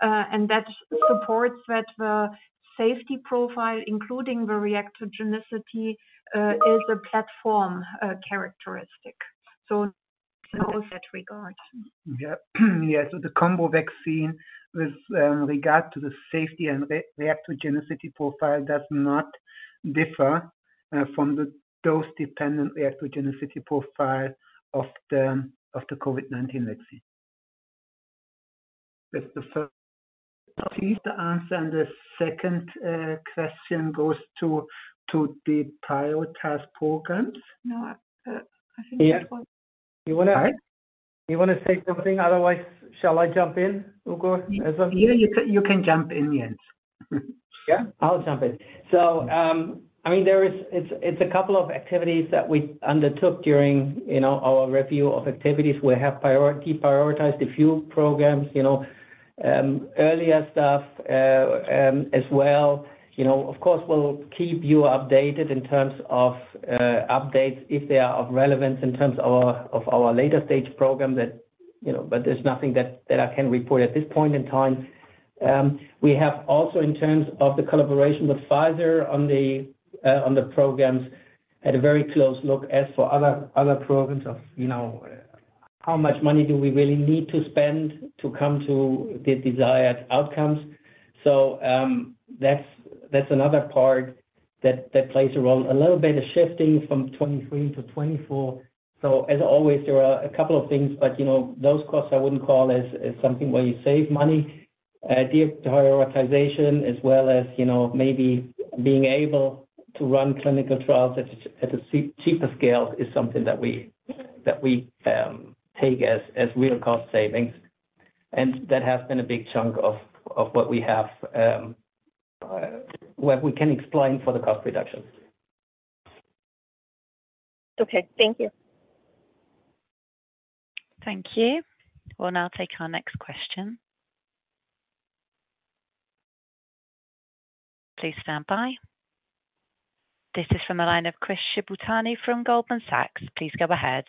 And that supports that the safety profile, including the reactogenicity, is a platform characteristic. So in that regard. Yeah. Yes, so the combo vaccine, with regard to the safety and reactogenicity profile, does not differ from the dose-dependent reactogenicity profile of the COVID-19 vaccine. That's the first piece to answer, and the second question goes to the prioritized programs? No, I think- You wanna- Sorry? You want to say something? Otherwise, shall I jump in, Uğur? You can jump in, Jens. Yeah, I'll jump in. So, I mean, there is—it's a couple of activities that we undertook during, you know, our review of activities. We have prioritized a few programs, you know, earlier stuff, as well. You know, of course, we'll keep you updated in terms of updates if they are of relevance in terms of our later stage program that, you know, but there's nothing that I can report at this point in time. We have also, in terms of the collaboration with Pfizer on the programs, had a very close look as for other programs of, you know, how much money do we really need to spend to come to the desired outcomes. So, that's another part that plays a role. A little bit of shifting from 2023 to 2024. So as always, there are a couple of things, but, you know, those costs I wouldn't call as, as something where you save money. Deprioritization, as well as, you know, maybe being able to run clinical trials at a cheaper scale is something that we take as, as real cost savings. And that has been a big chunk of what we can explain for the cost reductions. Okay, thank you. Thank you. We'll now take our next question. Please stand by. This is from the line of Chris Shibutani from Goldman Sachs. Please go ahead.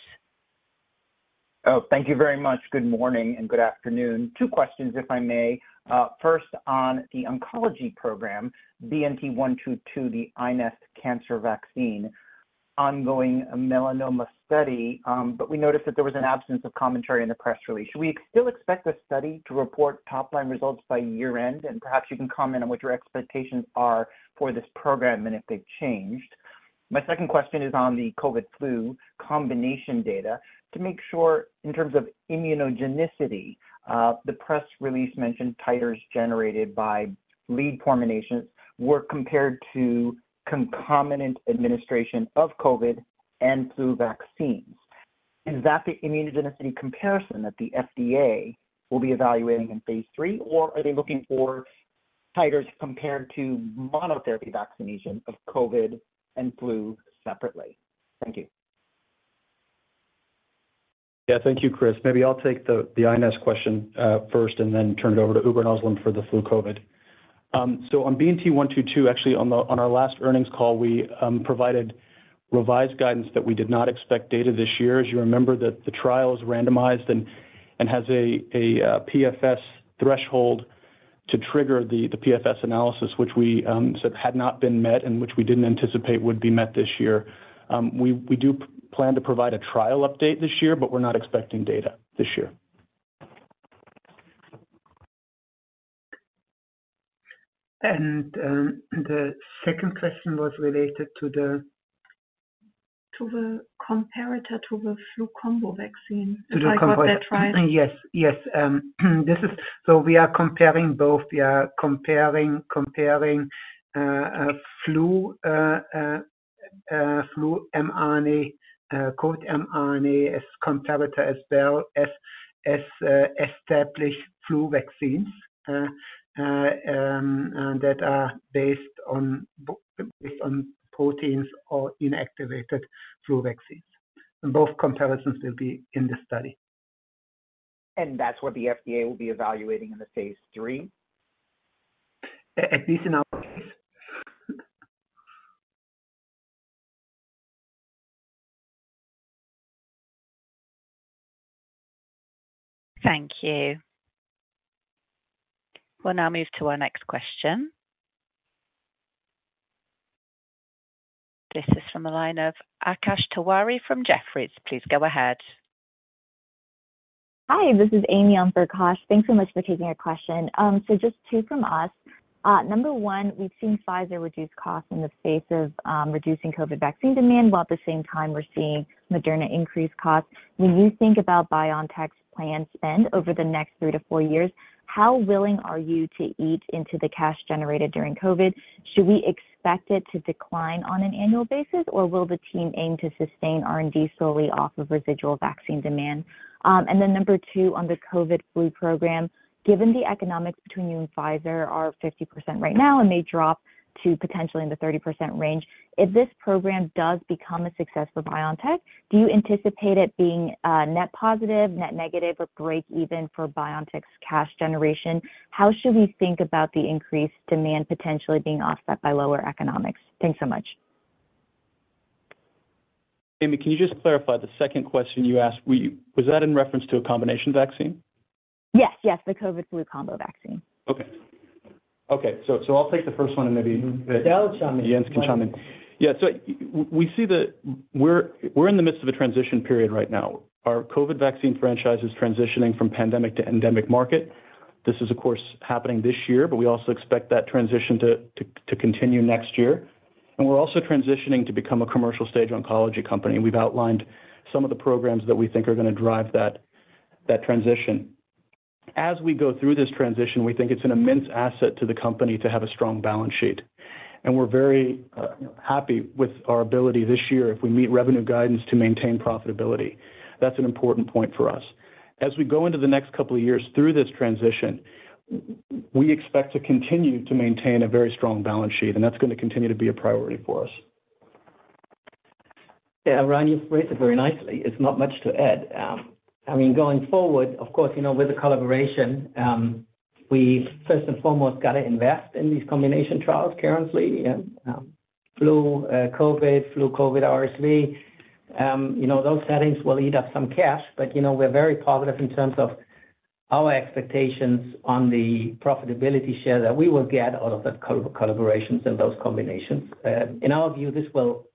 Oh, thank you very much. Good morning and good afternoon. Two questions, if I may. First, on the oncology program, BNT122, the iNeST cancer vaccine, ongoing melanoma study, but we noticed that there was an absence of commentary in the press release. Should we still expect the study to report top-line results by year-end? And perhaps you can comment on what your expectations are for this program and if they've changed. My second question is on the COVID-flu combination data to make sure in terms of immunogenicity, the press release mentioned titers generated by lead combinations were compared to concomitant administration of COVID and flu vaccines. Is that the immunogenicity comparison that the FDA will be evaluating in phase III, or are they looking for titers compared to monotherapy vaccination of COVID and flu separately? Thank you. Yeah, thank you, Chris. Maybe I'll take the iNeST question first and then turn it over to Uğur and Özlem for the flu COVID. So on BNT122, actually, on our last earnings call, we provided revised guidance that we did not expect data this year. As you remember, that the trial is randomized and has a PFS threshold to trigger the PFS analysis, which we said had not been met and which we didn't anticipate would be met this year. We do plan to provide a trial update this year, but we're not expecting data this year. The second question was related to the- To the comparator, to the flu combo vaccine, if I got that right. Yes. Yes. This is so we are comparing both. We are comparing flu mRNA, COVID mRNA as comparator as well as established flu vaccines that are based on proteins or inactivated flu vaccines. And both comparisons will be in the study. That's what the FDA will be evaluating in the phase III? At least in our case. Thank you. We'll now move to our next question. This is from the line of Akash Tewari from Jefferies. Please go ahead. Hi, this is Amy on for Akash. Thanks so much for taking our question. So just two from us. Number one, we've seen Pfizer reduce costs in the face of reducing COVID vaccine demand, while at the same time, we're seeing Moderna increase costs. When you think about BioNTech's planned spend over the next three to four years, how willing are you to eat into the cash generated during COVID? Should we expect it to decline on an annual basis, or will the team aim to sustain R&D solely off of residual vaccine demand? Number two on the COVID-flu program, given the economics between you and Pfizer are 50% right now and may drop to potentially in the 30% range, if this program does become a success for BioNTech, do you anticipate it being net positive, net negative, or break even for BioNTech's cash generation? How should we think about the increased demand potentially being offset by lower economics? Thanks so much. Amy, can you just clarify the second question you asked, was that in reference to a combination vaccine? Yes. Yes, the COVID flu combo vaccine. Okay, so I'll take the first one and maybe- Yeah, I'll chime in. Jens can chime in. Yeah, so we see that we're, we're in the midst of a transition period right now. Our COVID vaccine franchise is transitioning from pandemic to endemic market. This is, of course, happening this year, but we also expect that transition to continue next year. We're also transitioning to become a commercial stage oncology company. We've outlined some of the programs that we think are gonna drive that transition. As we go through this transition, we think it's an immense asset to the company to have a strong balance sheet, and we're very happy with our ability this year, if we meet revenue guidance, to maintain profitability. That's an important point for us. As we go into the next couple of years through this transition, we expect to continue to maintain a very strong balance sheet, and that's going to continue to be a priority for us. Yeah, Ryan, you've raised it very nicely. It's not much to add. I mean, going forward, of course, you know, with the collaboration, we first and foremost got to invest in these combination trials currently, and, flu, COVID, flu-COVID, RSV, you know, those settings will eat up some cash, but, you know, we're very positive in terms of our expectations on the profitability share that we will get out of the co- collaborations and those combinations. In our view, this will,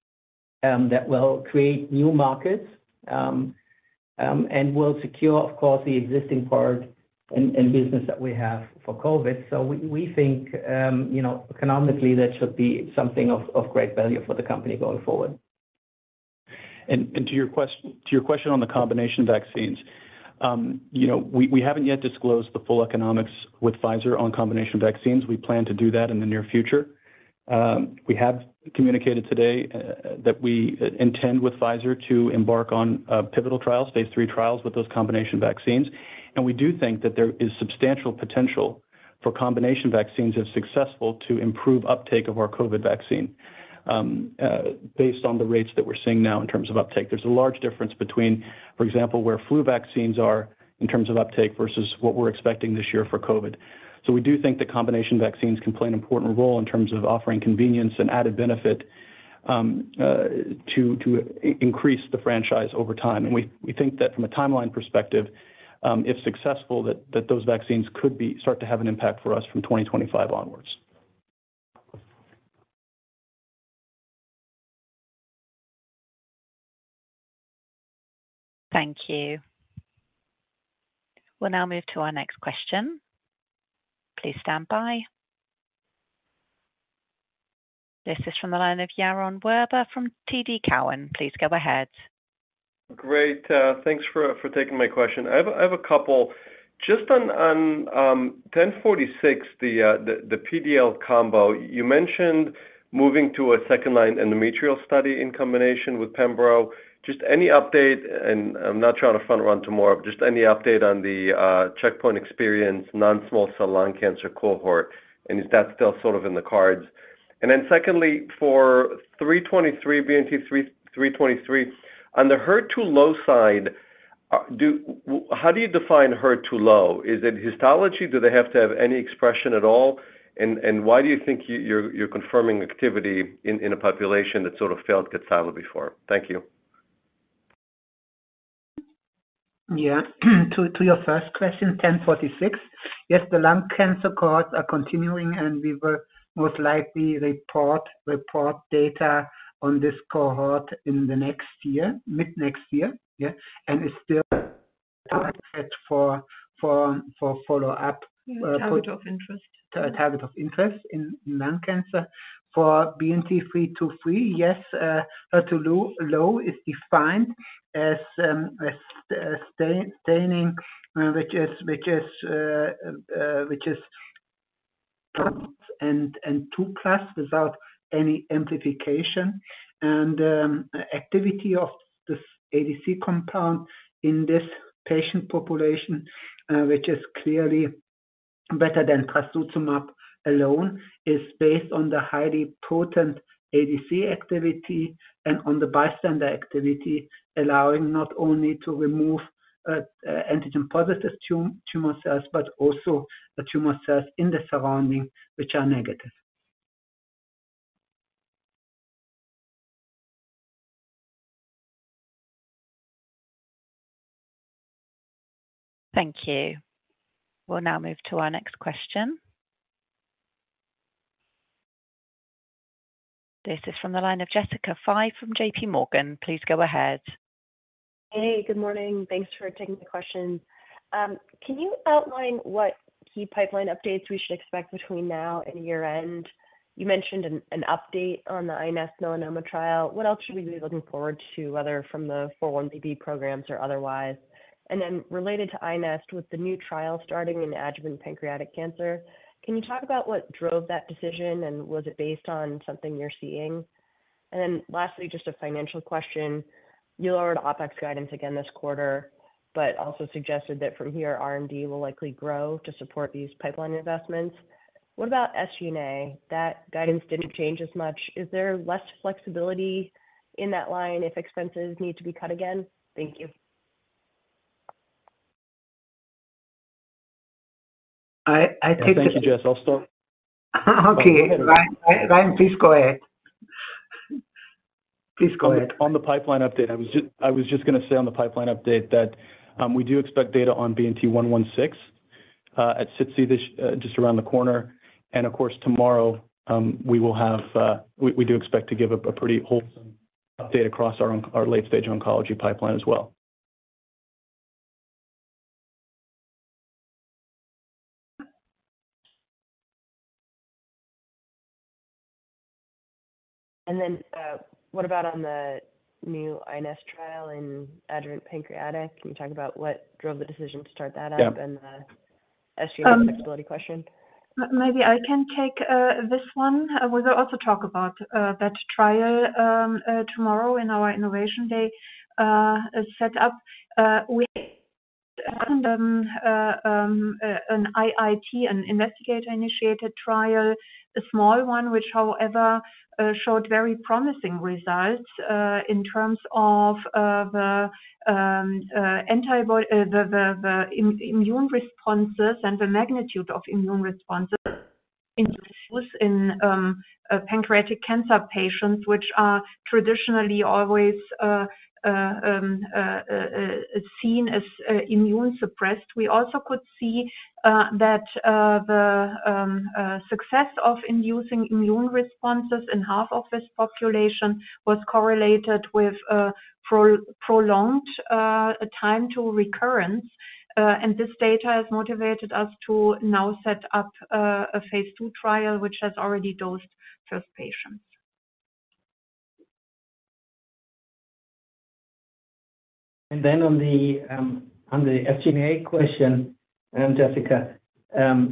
that will create new markets, and will secure, of course, the existing part and, and business that we have for COVID. So we, we think, you know, economically, that should be something of, of great value for the company going forward. To your question on the combination vaccines, you know, we haven't yet disclosed the full economics with Pfizer on combination vaccines. We plan to do that in the near future. We have communicated today that we intend with Pfizer to embark on pivotal trials, phase III trials, with those combination vaccines. And we do think that there is substantial potential for combination vaccines, if successful, to improve uptake of our COVID vaccine based on the rates that we're seeing now in terms of uptake. There's a large difference between, for example, where flu vaccines are in terms of uptake versus what we're expecting this year for COVID. So we do think the combination vaccines can play an important role in terms of offering convenience and added benefit to increase the franchise over time. We think that from a timeline perspective, if successful, those vaccines could start to have an impact for us from 2025 onwards. Thank you. We'll now move to our next question. Please stand by. This is from the line of Yaron Werber from TD Cowen. Please go ahead. Great, thanks for taking my question. I have a couple. Just on 1046, the PD-L combo, you mentioned moving to a second-line endometrial study in combination with pembro. Just any update, and I'm not trying to front-run tomorrow, but just any update on the checkpoint experience, non-small cell lung cancer cohort, and is that still sort of in the cards? And then secondly, for 323, BNT323, on the HER2-low side, how do you define HER2-low? Is it histology? Do they have to have any expression at all? And why do you think you're confirming activity in a population that sort of failed Kadcyla before? Thank you. Yeah. To your first question, 1046. Yes, the lung cancer cohorts are continuing, and we will most likely report data on this cohort in the next year, mid-next year. Yeah, and it's still targeted for follow-up. Target of interest. Target of interest in lung cancer. For BNT323, yes, HER2-low is defined as staining which is 1+ and 2+ without any amplification. Activity of this ADC compound in this patient population, which is clearly better than trastuzumab alone, is based on the highly potent ADC activity and on the bystander activity, allowing not only to remove antigen-positive tumor cells, but also the tumor cells in the surrounding, which are negative. Thank you. We'll now move to our next question. This is from the line of Jessica Fye from JPMorgan. Please go ahead. Hey, good morning. Thanks for taking the question. Can you outline what key pipeline updates we should expect between now and year-end? You mentioned an update on the iNeST melanoma trial. What else should we be looking forward to, whether from the 4-1BB programs or otherwise? And then related to iNeST, with the new trial starting in adjuvant pancreatic cancer, can you talk about what drove that decision, and was it based on something you're seeing? And then lastly, just a financial question. You lowered OpEx guidance again this quarter, but also suggested that from here, R&D will likely grow to support these pipeline investments. What about SG&A? That guidance didn't change as much. Is there less flexibility in that line if expenses need to be cut again? Thank you. I think- Thank you, Jess. I'll start. Okay, Ryan. Ryan, please go ahead. Please go ahead. On the pipeline update, I was just gonna say on the pipeline update that we do expect data on BNT116 at SITC this just around the corner. And of course, tomorrow we do expect to give a pretty wholesome update across our late-stage oncology pipeline as well. What about on the new iNeST trial in adjuvant pancreatic? Can you talk about what drove the decision to start that up- Yeah and the SG&A flexibility question? Maybe I can take this one. We'll also talk about that trial tomorrow in our Innovation Day setup. An IIT, an investigator-initiated trial, a small one, which, however, showed very promising results in terms of the antitumor immune responses and the magnitude of immune responses in pancreatic cancer patients, which are traditionally always seen as immunosuppressed. We also could see that the success of inducing immune responses in half of this population was correlated with prolonged time to recurrence. And this data has motivated us to now set up a phase II trial, which has already dosed first patients. Then on the SG&A question, Jessica,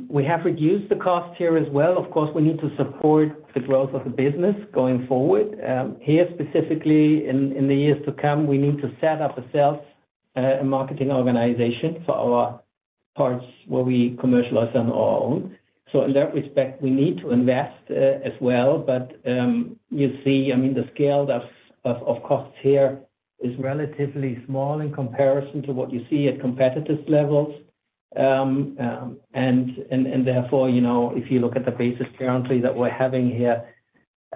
we have reduced the cost here as well. Of course, we need to support the growth of the business going forward. Here, specifically in the years to come, we need to set up a sales and marketing organization for our parts, where we commercialize on our own. So in that respect, we need to invest as well. But you see, I mean, the scale of costs here is relatively small in comparison to what you see at competitive levels. And therefore, you know, if you look at the basis currently that we're having here,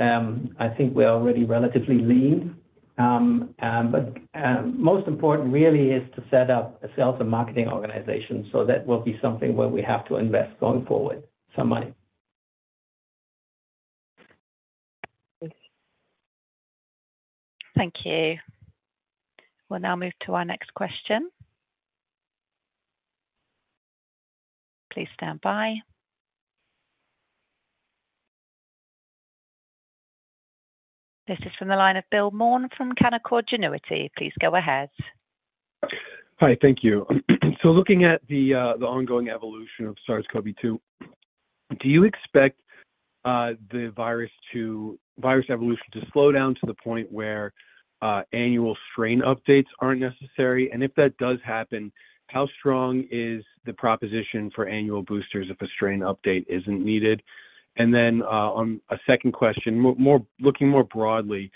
I think we're already relatively lean. But most important really is to set up a sales and marketing organization. That will be something where we have to invest going forward, somebody. Thank you. We'll now move to our next question. Please stand by. This is from the line of Bill Maughan from Canaccord Genuity. Please go ahead. Hi, thank you. So looking at the ongoing evolution of SARS-CoV-2, do you expect the virus evolution to slow down to the point where annual strain updates aren't necessary? And if that does happen, how strong is the proposition for annual boosters if a strain update isn't needed? And then, on a second question, more looking more broadly,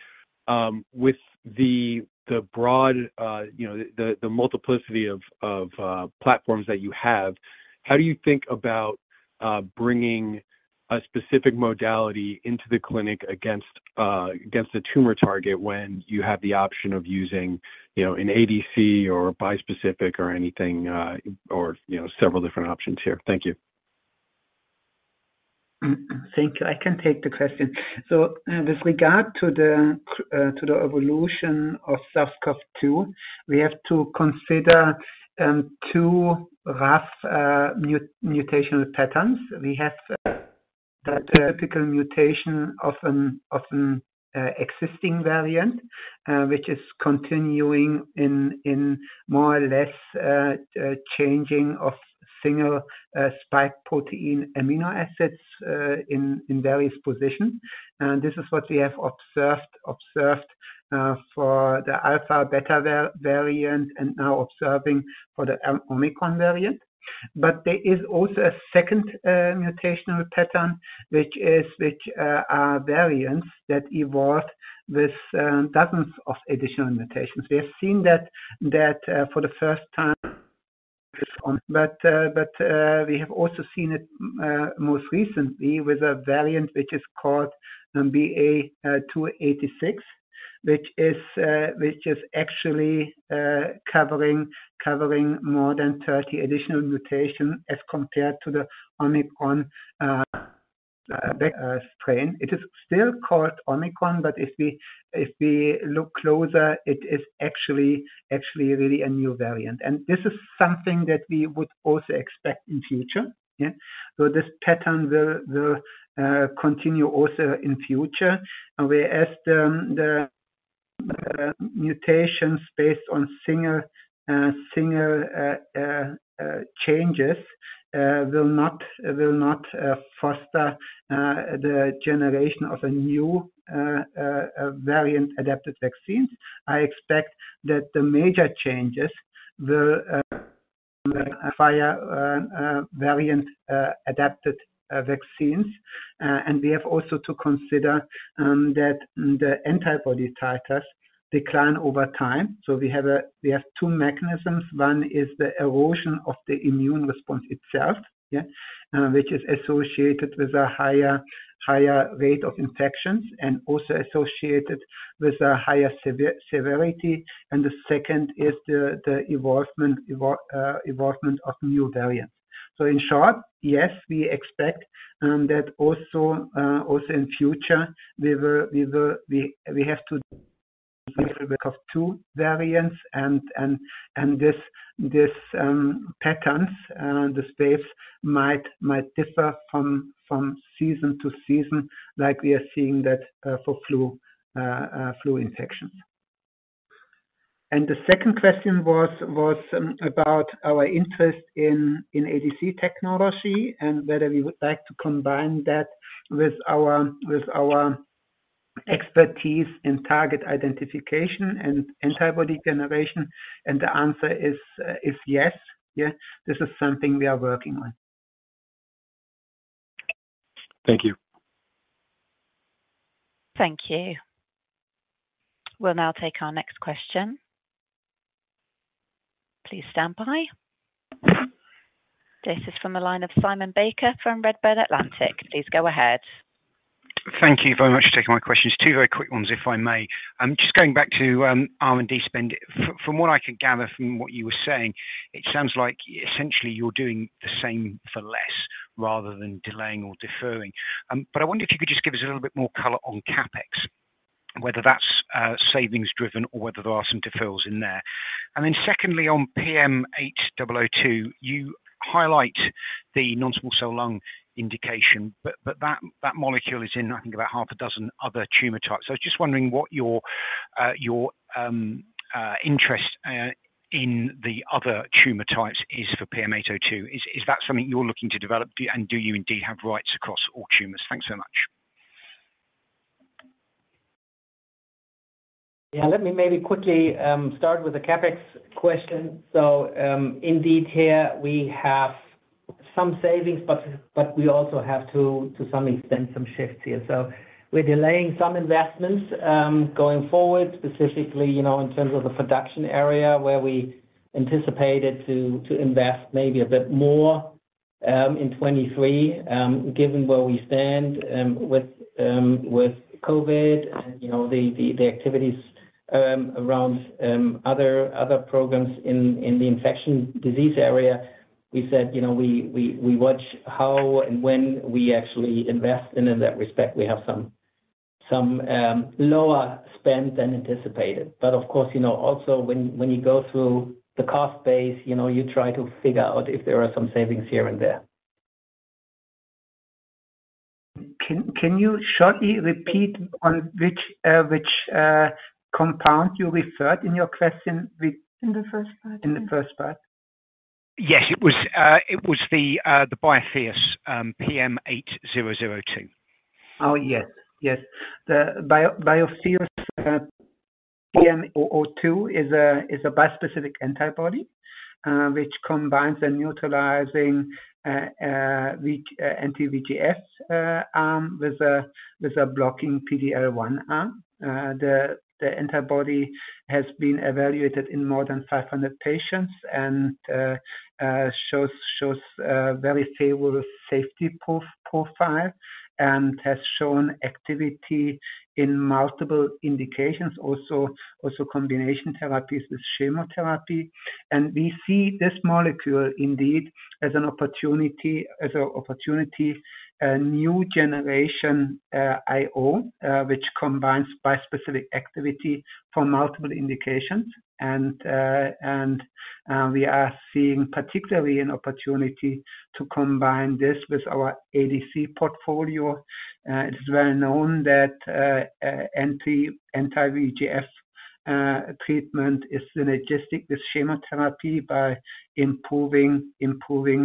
with the broad, you know, the multiplicity of platforms that you have, how do you think about bringing a specific modality into the clinic against a tumor target when you have the option of using, you know, an ADC or a bispecific or anything, or, you know, several different options here? Thank you. Thank you. I can take the question. With regard to the evolution of SARS-CoV-2, we have to consider two rough mutational patterns. We have the typical mutation of an existing variant, which is continuing in more or less changing of single spike protein amino acids in various positions. This is what we have observed for the Alpha, Beta variant, and now observing for the Omicron variant. But there is also a second mutational pattern, which are variants that evolve with dozens of additional mutations. We have seen that for the first time, but we have also seen it most recently with a variant, which is called BA.2.86, which is actually covering more than 30 additional mutations as compared to the Omicron strain. It is still called Omicron, but if we look closer, it is actually really a new variant. And this is something that we would also expect in future. Yeah. So this pattern will continue also in future, whereas the mutations based on single changes will not foster the generation of a new variant-adapted vaccines. I expect that the major changes will require variant-adapted vaccines. And we have also to consider that the antibody titers decline over time. So we have two mechanisms. One is the erosion of the immune response itself, which is associated with a higher rate of infections and also associated with a higher severity. And the second is the evolvement of new variants. So in short, yes, we expect that also in future, we will have to think of two variants and this patterns the space might differ from season to season, like we are seeing that for flu infections. The second question was about our interest in ADC technology, and whether we would like to combine that with our expertise in target identification and antibody generation. The answer is yes. Yeah, this is something we are working on. Thank you. Thank you. We'll now take our next question. Please stand by. This is from the line of Simon Baker from Redburn Atlantic. Please go ahead. Thank you very much for taking my questions. Two very quick ones, if I may. Just going back to R&D spend. From what I could gather from what you were saying, it sounds like essentially you're doing the same for less rather than delaying or deferring. But I wonder if you could just give us a little bit more color on CapEx, whether that's savings-driven or whether there are some fulfills in there. And then secondly, on PM8002, you highlight the non-small cell lung indication, but that molecule is in, I think, about half a dozen other tumor types. So I was just wondering what your interest in the other tumor types is for PM8002. Is that something you're looking to develop? And do you indeed have rights across all tumors? Thanks so much. Yeah, let me maybe quickly start with the CapEx question. So, indeed, here we have some savings, but we also have to some extent some shifts here. So we're delaying some investments going forward, specifically, you know, in terms of the production area, where we anticipated to invest maybe a bit more in 2023. Given where we stand with COVID and, you know, the activities around other programs in the infectious disease area, we said, you know, we watch how and when we actually invest, and in that respect, we have some shifts. Some lower spend than anticipated. But of course, you know, also when you go through the cost base, you know, you try to figure out if there are some savings here and there. Can you shortly repeat on which compound you referred in your question with- In the first part. In the first part? Yes. It was the Biotheus PM8002. Oh, yes. Yes. The Biotheus PM8002 is a bispecific antibody which combines the neutralizing weak anti-VEGF arm with a blocking PD-L1 arm. The antibody has been evaluated in more than 500 patients and shows a very favorable safety profile and has shown activity in multiple indications, also combination therapies with chemotherapy. And we see this molecule indeed as an opportunity, a new generation IO which combines bispecific activity for multiple indications. And we are seeing particularly an opportunity to combine this with our ADC portfolio. It's well known that anti-VEGF treatment is synergistic with chemotherapy by improving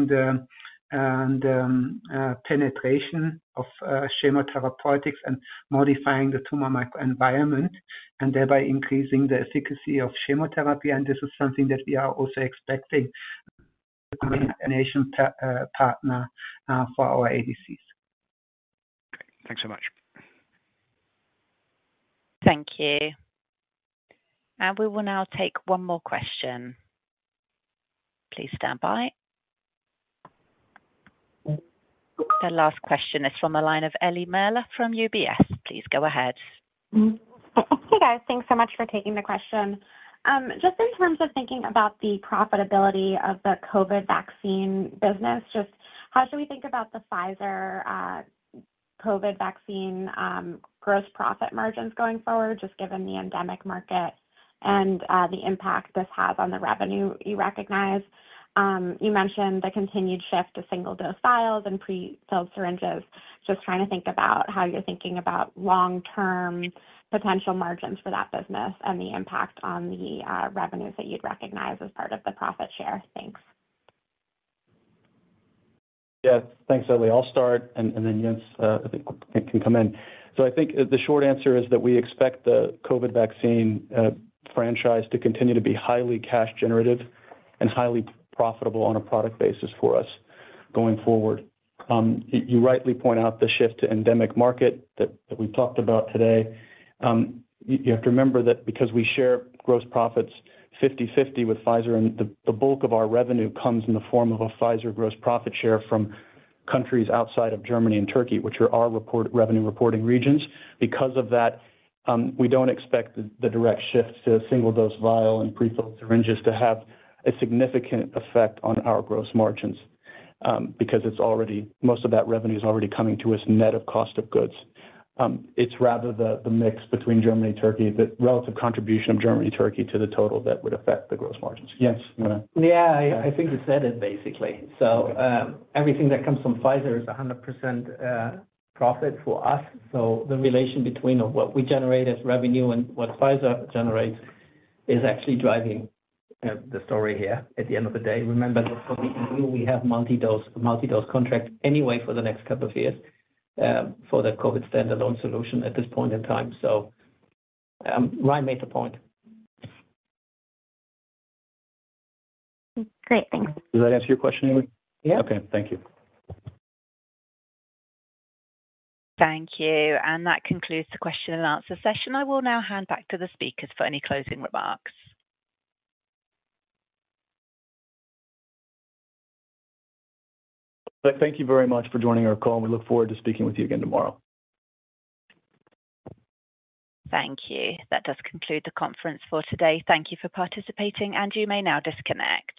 the penetration of chemotherapeutics and modifying the tumor microenvironment, and thereby increasing the efficacy of chemotherapy. And this is something that we are also expecting to be an additional partner for our ADCs. Great. Thanks so much. Thank you. We will now take one more question. Please stand by. The last question is from the line of Ellie Merle from UBS. Please go ahead. Hey, guys. Thanks so much for taking the question. Just in terms of thinking about the profitability of the COVID vaccine business, just how should we think about the Pfizer COVID vaccine gross profit margins going forward, just given the endemic market and the impact this has on the revenue you recognize? You mentioned the continued shift to single-dose vials and prefilled syringes. Just trying to think about how you're thinking about long-term potential margins for that business and the impact on the revenues that you'd recognize as part of the profit share. Thanks. Yeah. Thanks, Ellie. I'll start, and then Jens, I think can come in. So I think the short answer is that we expect the COVID vaccine franchise to continue to be highly cash generative and highly profitable on a product basis for us going forward. You rightly point out the shift to endemic market that we've talked about today. You have to remember that because we share gross profits 50/50 with Pfizer, and the bulk of our revenue comes in the form of a Pfizer gross profit share from countries outside of Germany and Turkey, which are our revenue reporting regions. Because of that, we don't expect the direct shifts to a single-dose vial and prefilled syringes to have a significant effect on our gross margins, because it's already... Most of that revenue is already coming to us net of cost of goods. It's rather the mix between Germany and Turkey, the relative contribution of Germany, Turkey, to the total that would affect the gross margins. Jens, you want to- Yeah, I think you said it, basically. So, everything that comes from Pfizer is 100% profit for us. So the relation between of what we generate as revenue and what Pfizer generates is actually driving the story here at the end of the day. Remember, that for me and you, we have multi-dose contract anyway for the next couple of years for the COVID standalone solution at this point in time. So, Ryan made the point. Great. Thanks. Does that answer your question, Ellie? Yeah. Okay, thank you. Thank you. That concludes the question and answer session. I will now hand back to the speakers for any closing remarks. Thank you very much for joining our call, and we look forward to speaking with you again tomorrow. Thank you. That does conclude the conference for today. Thank you for participating, and you may now disconnect.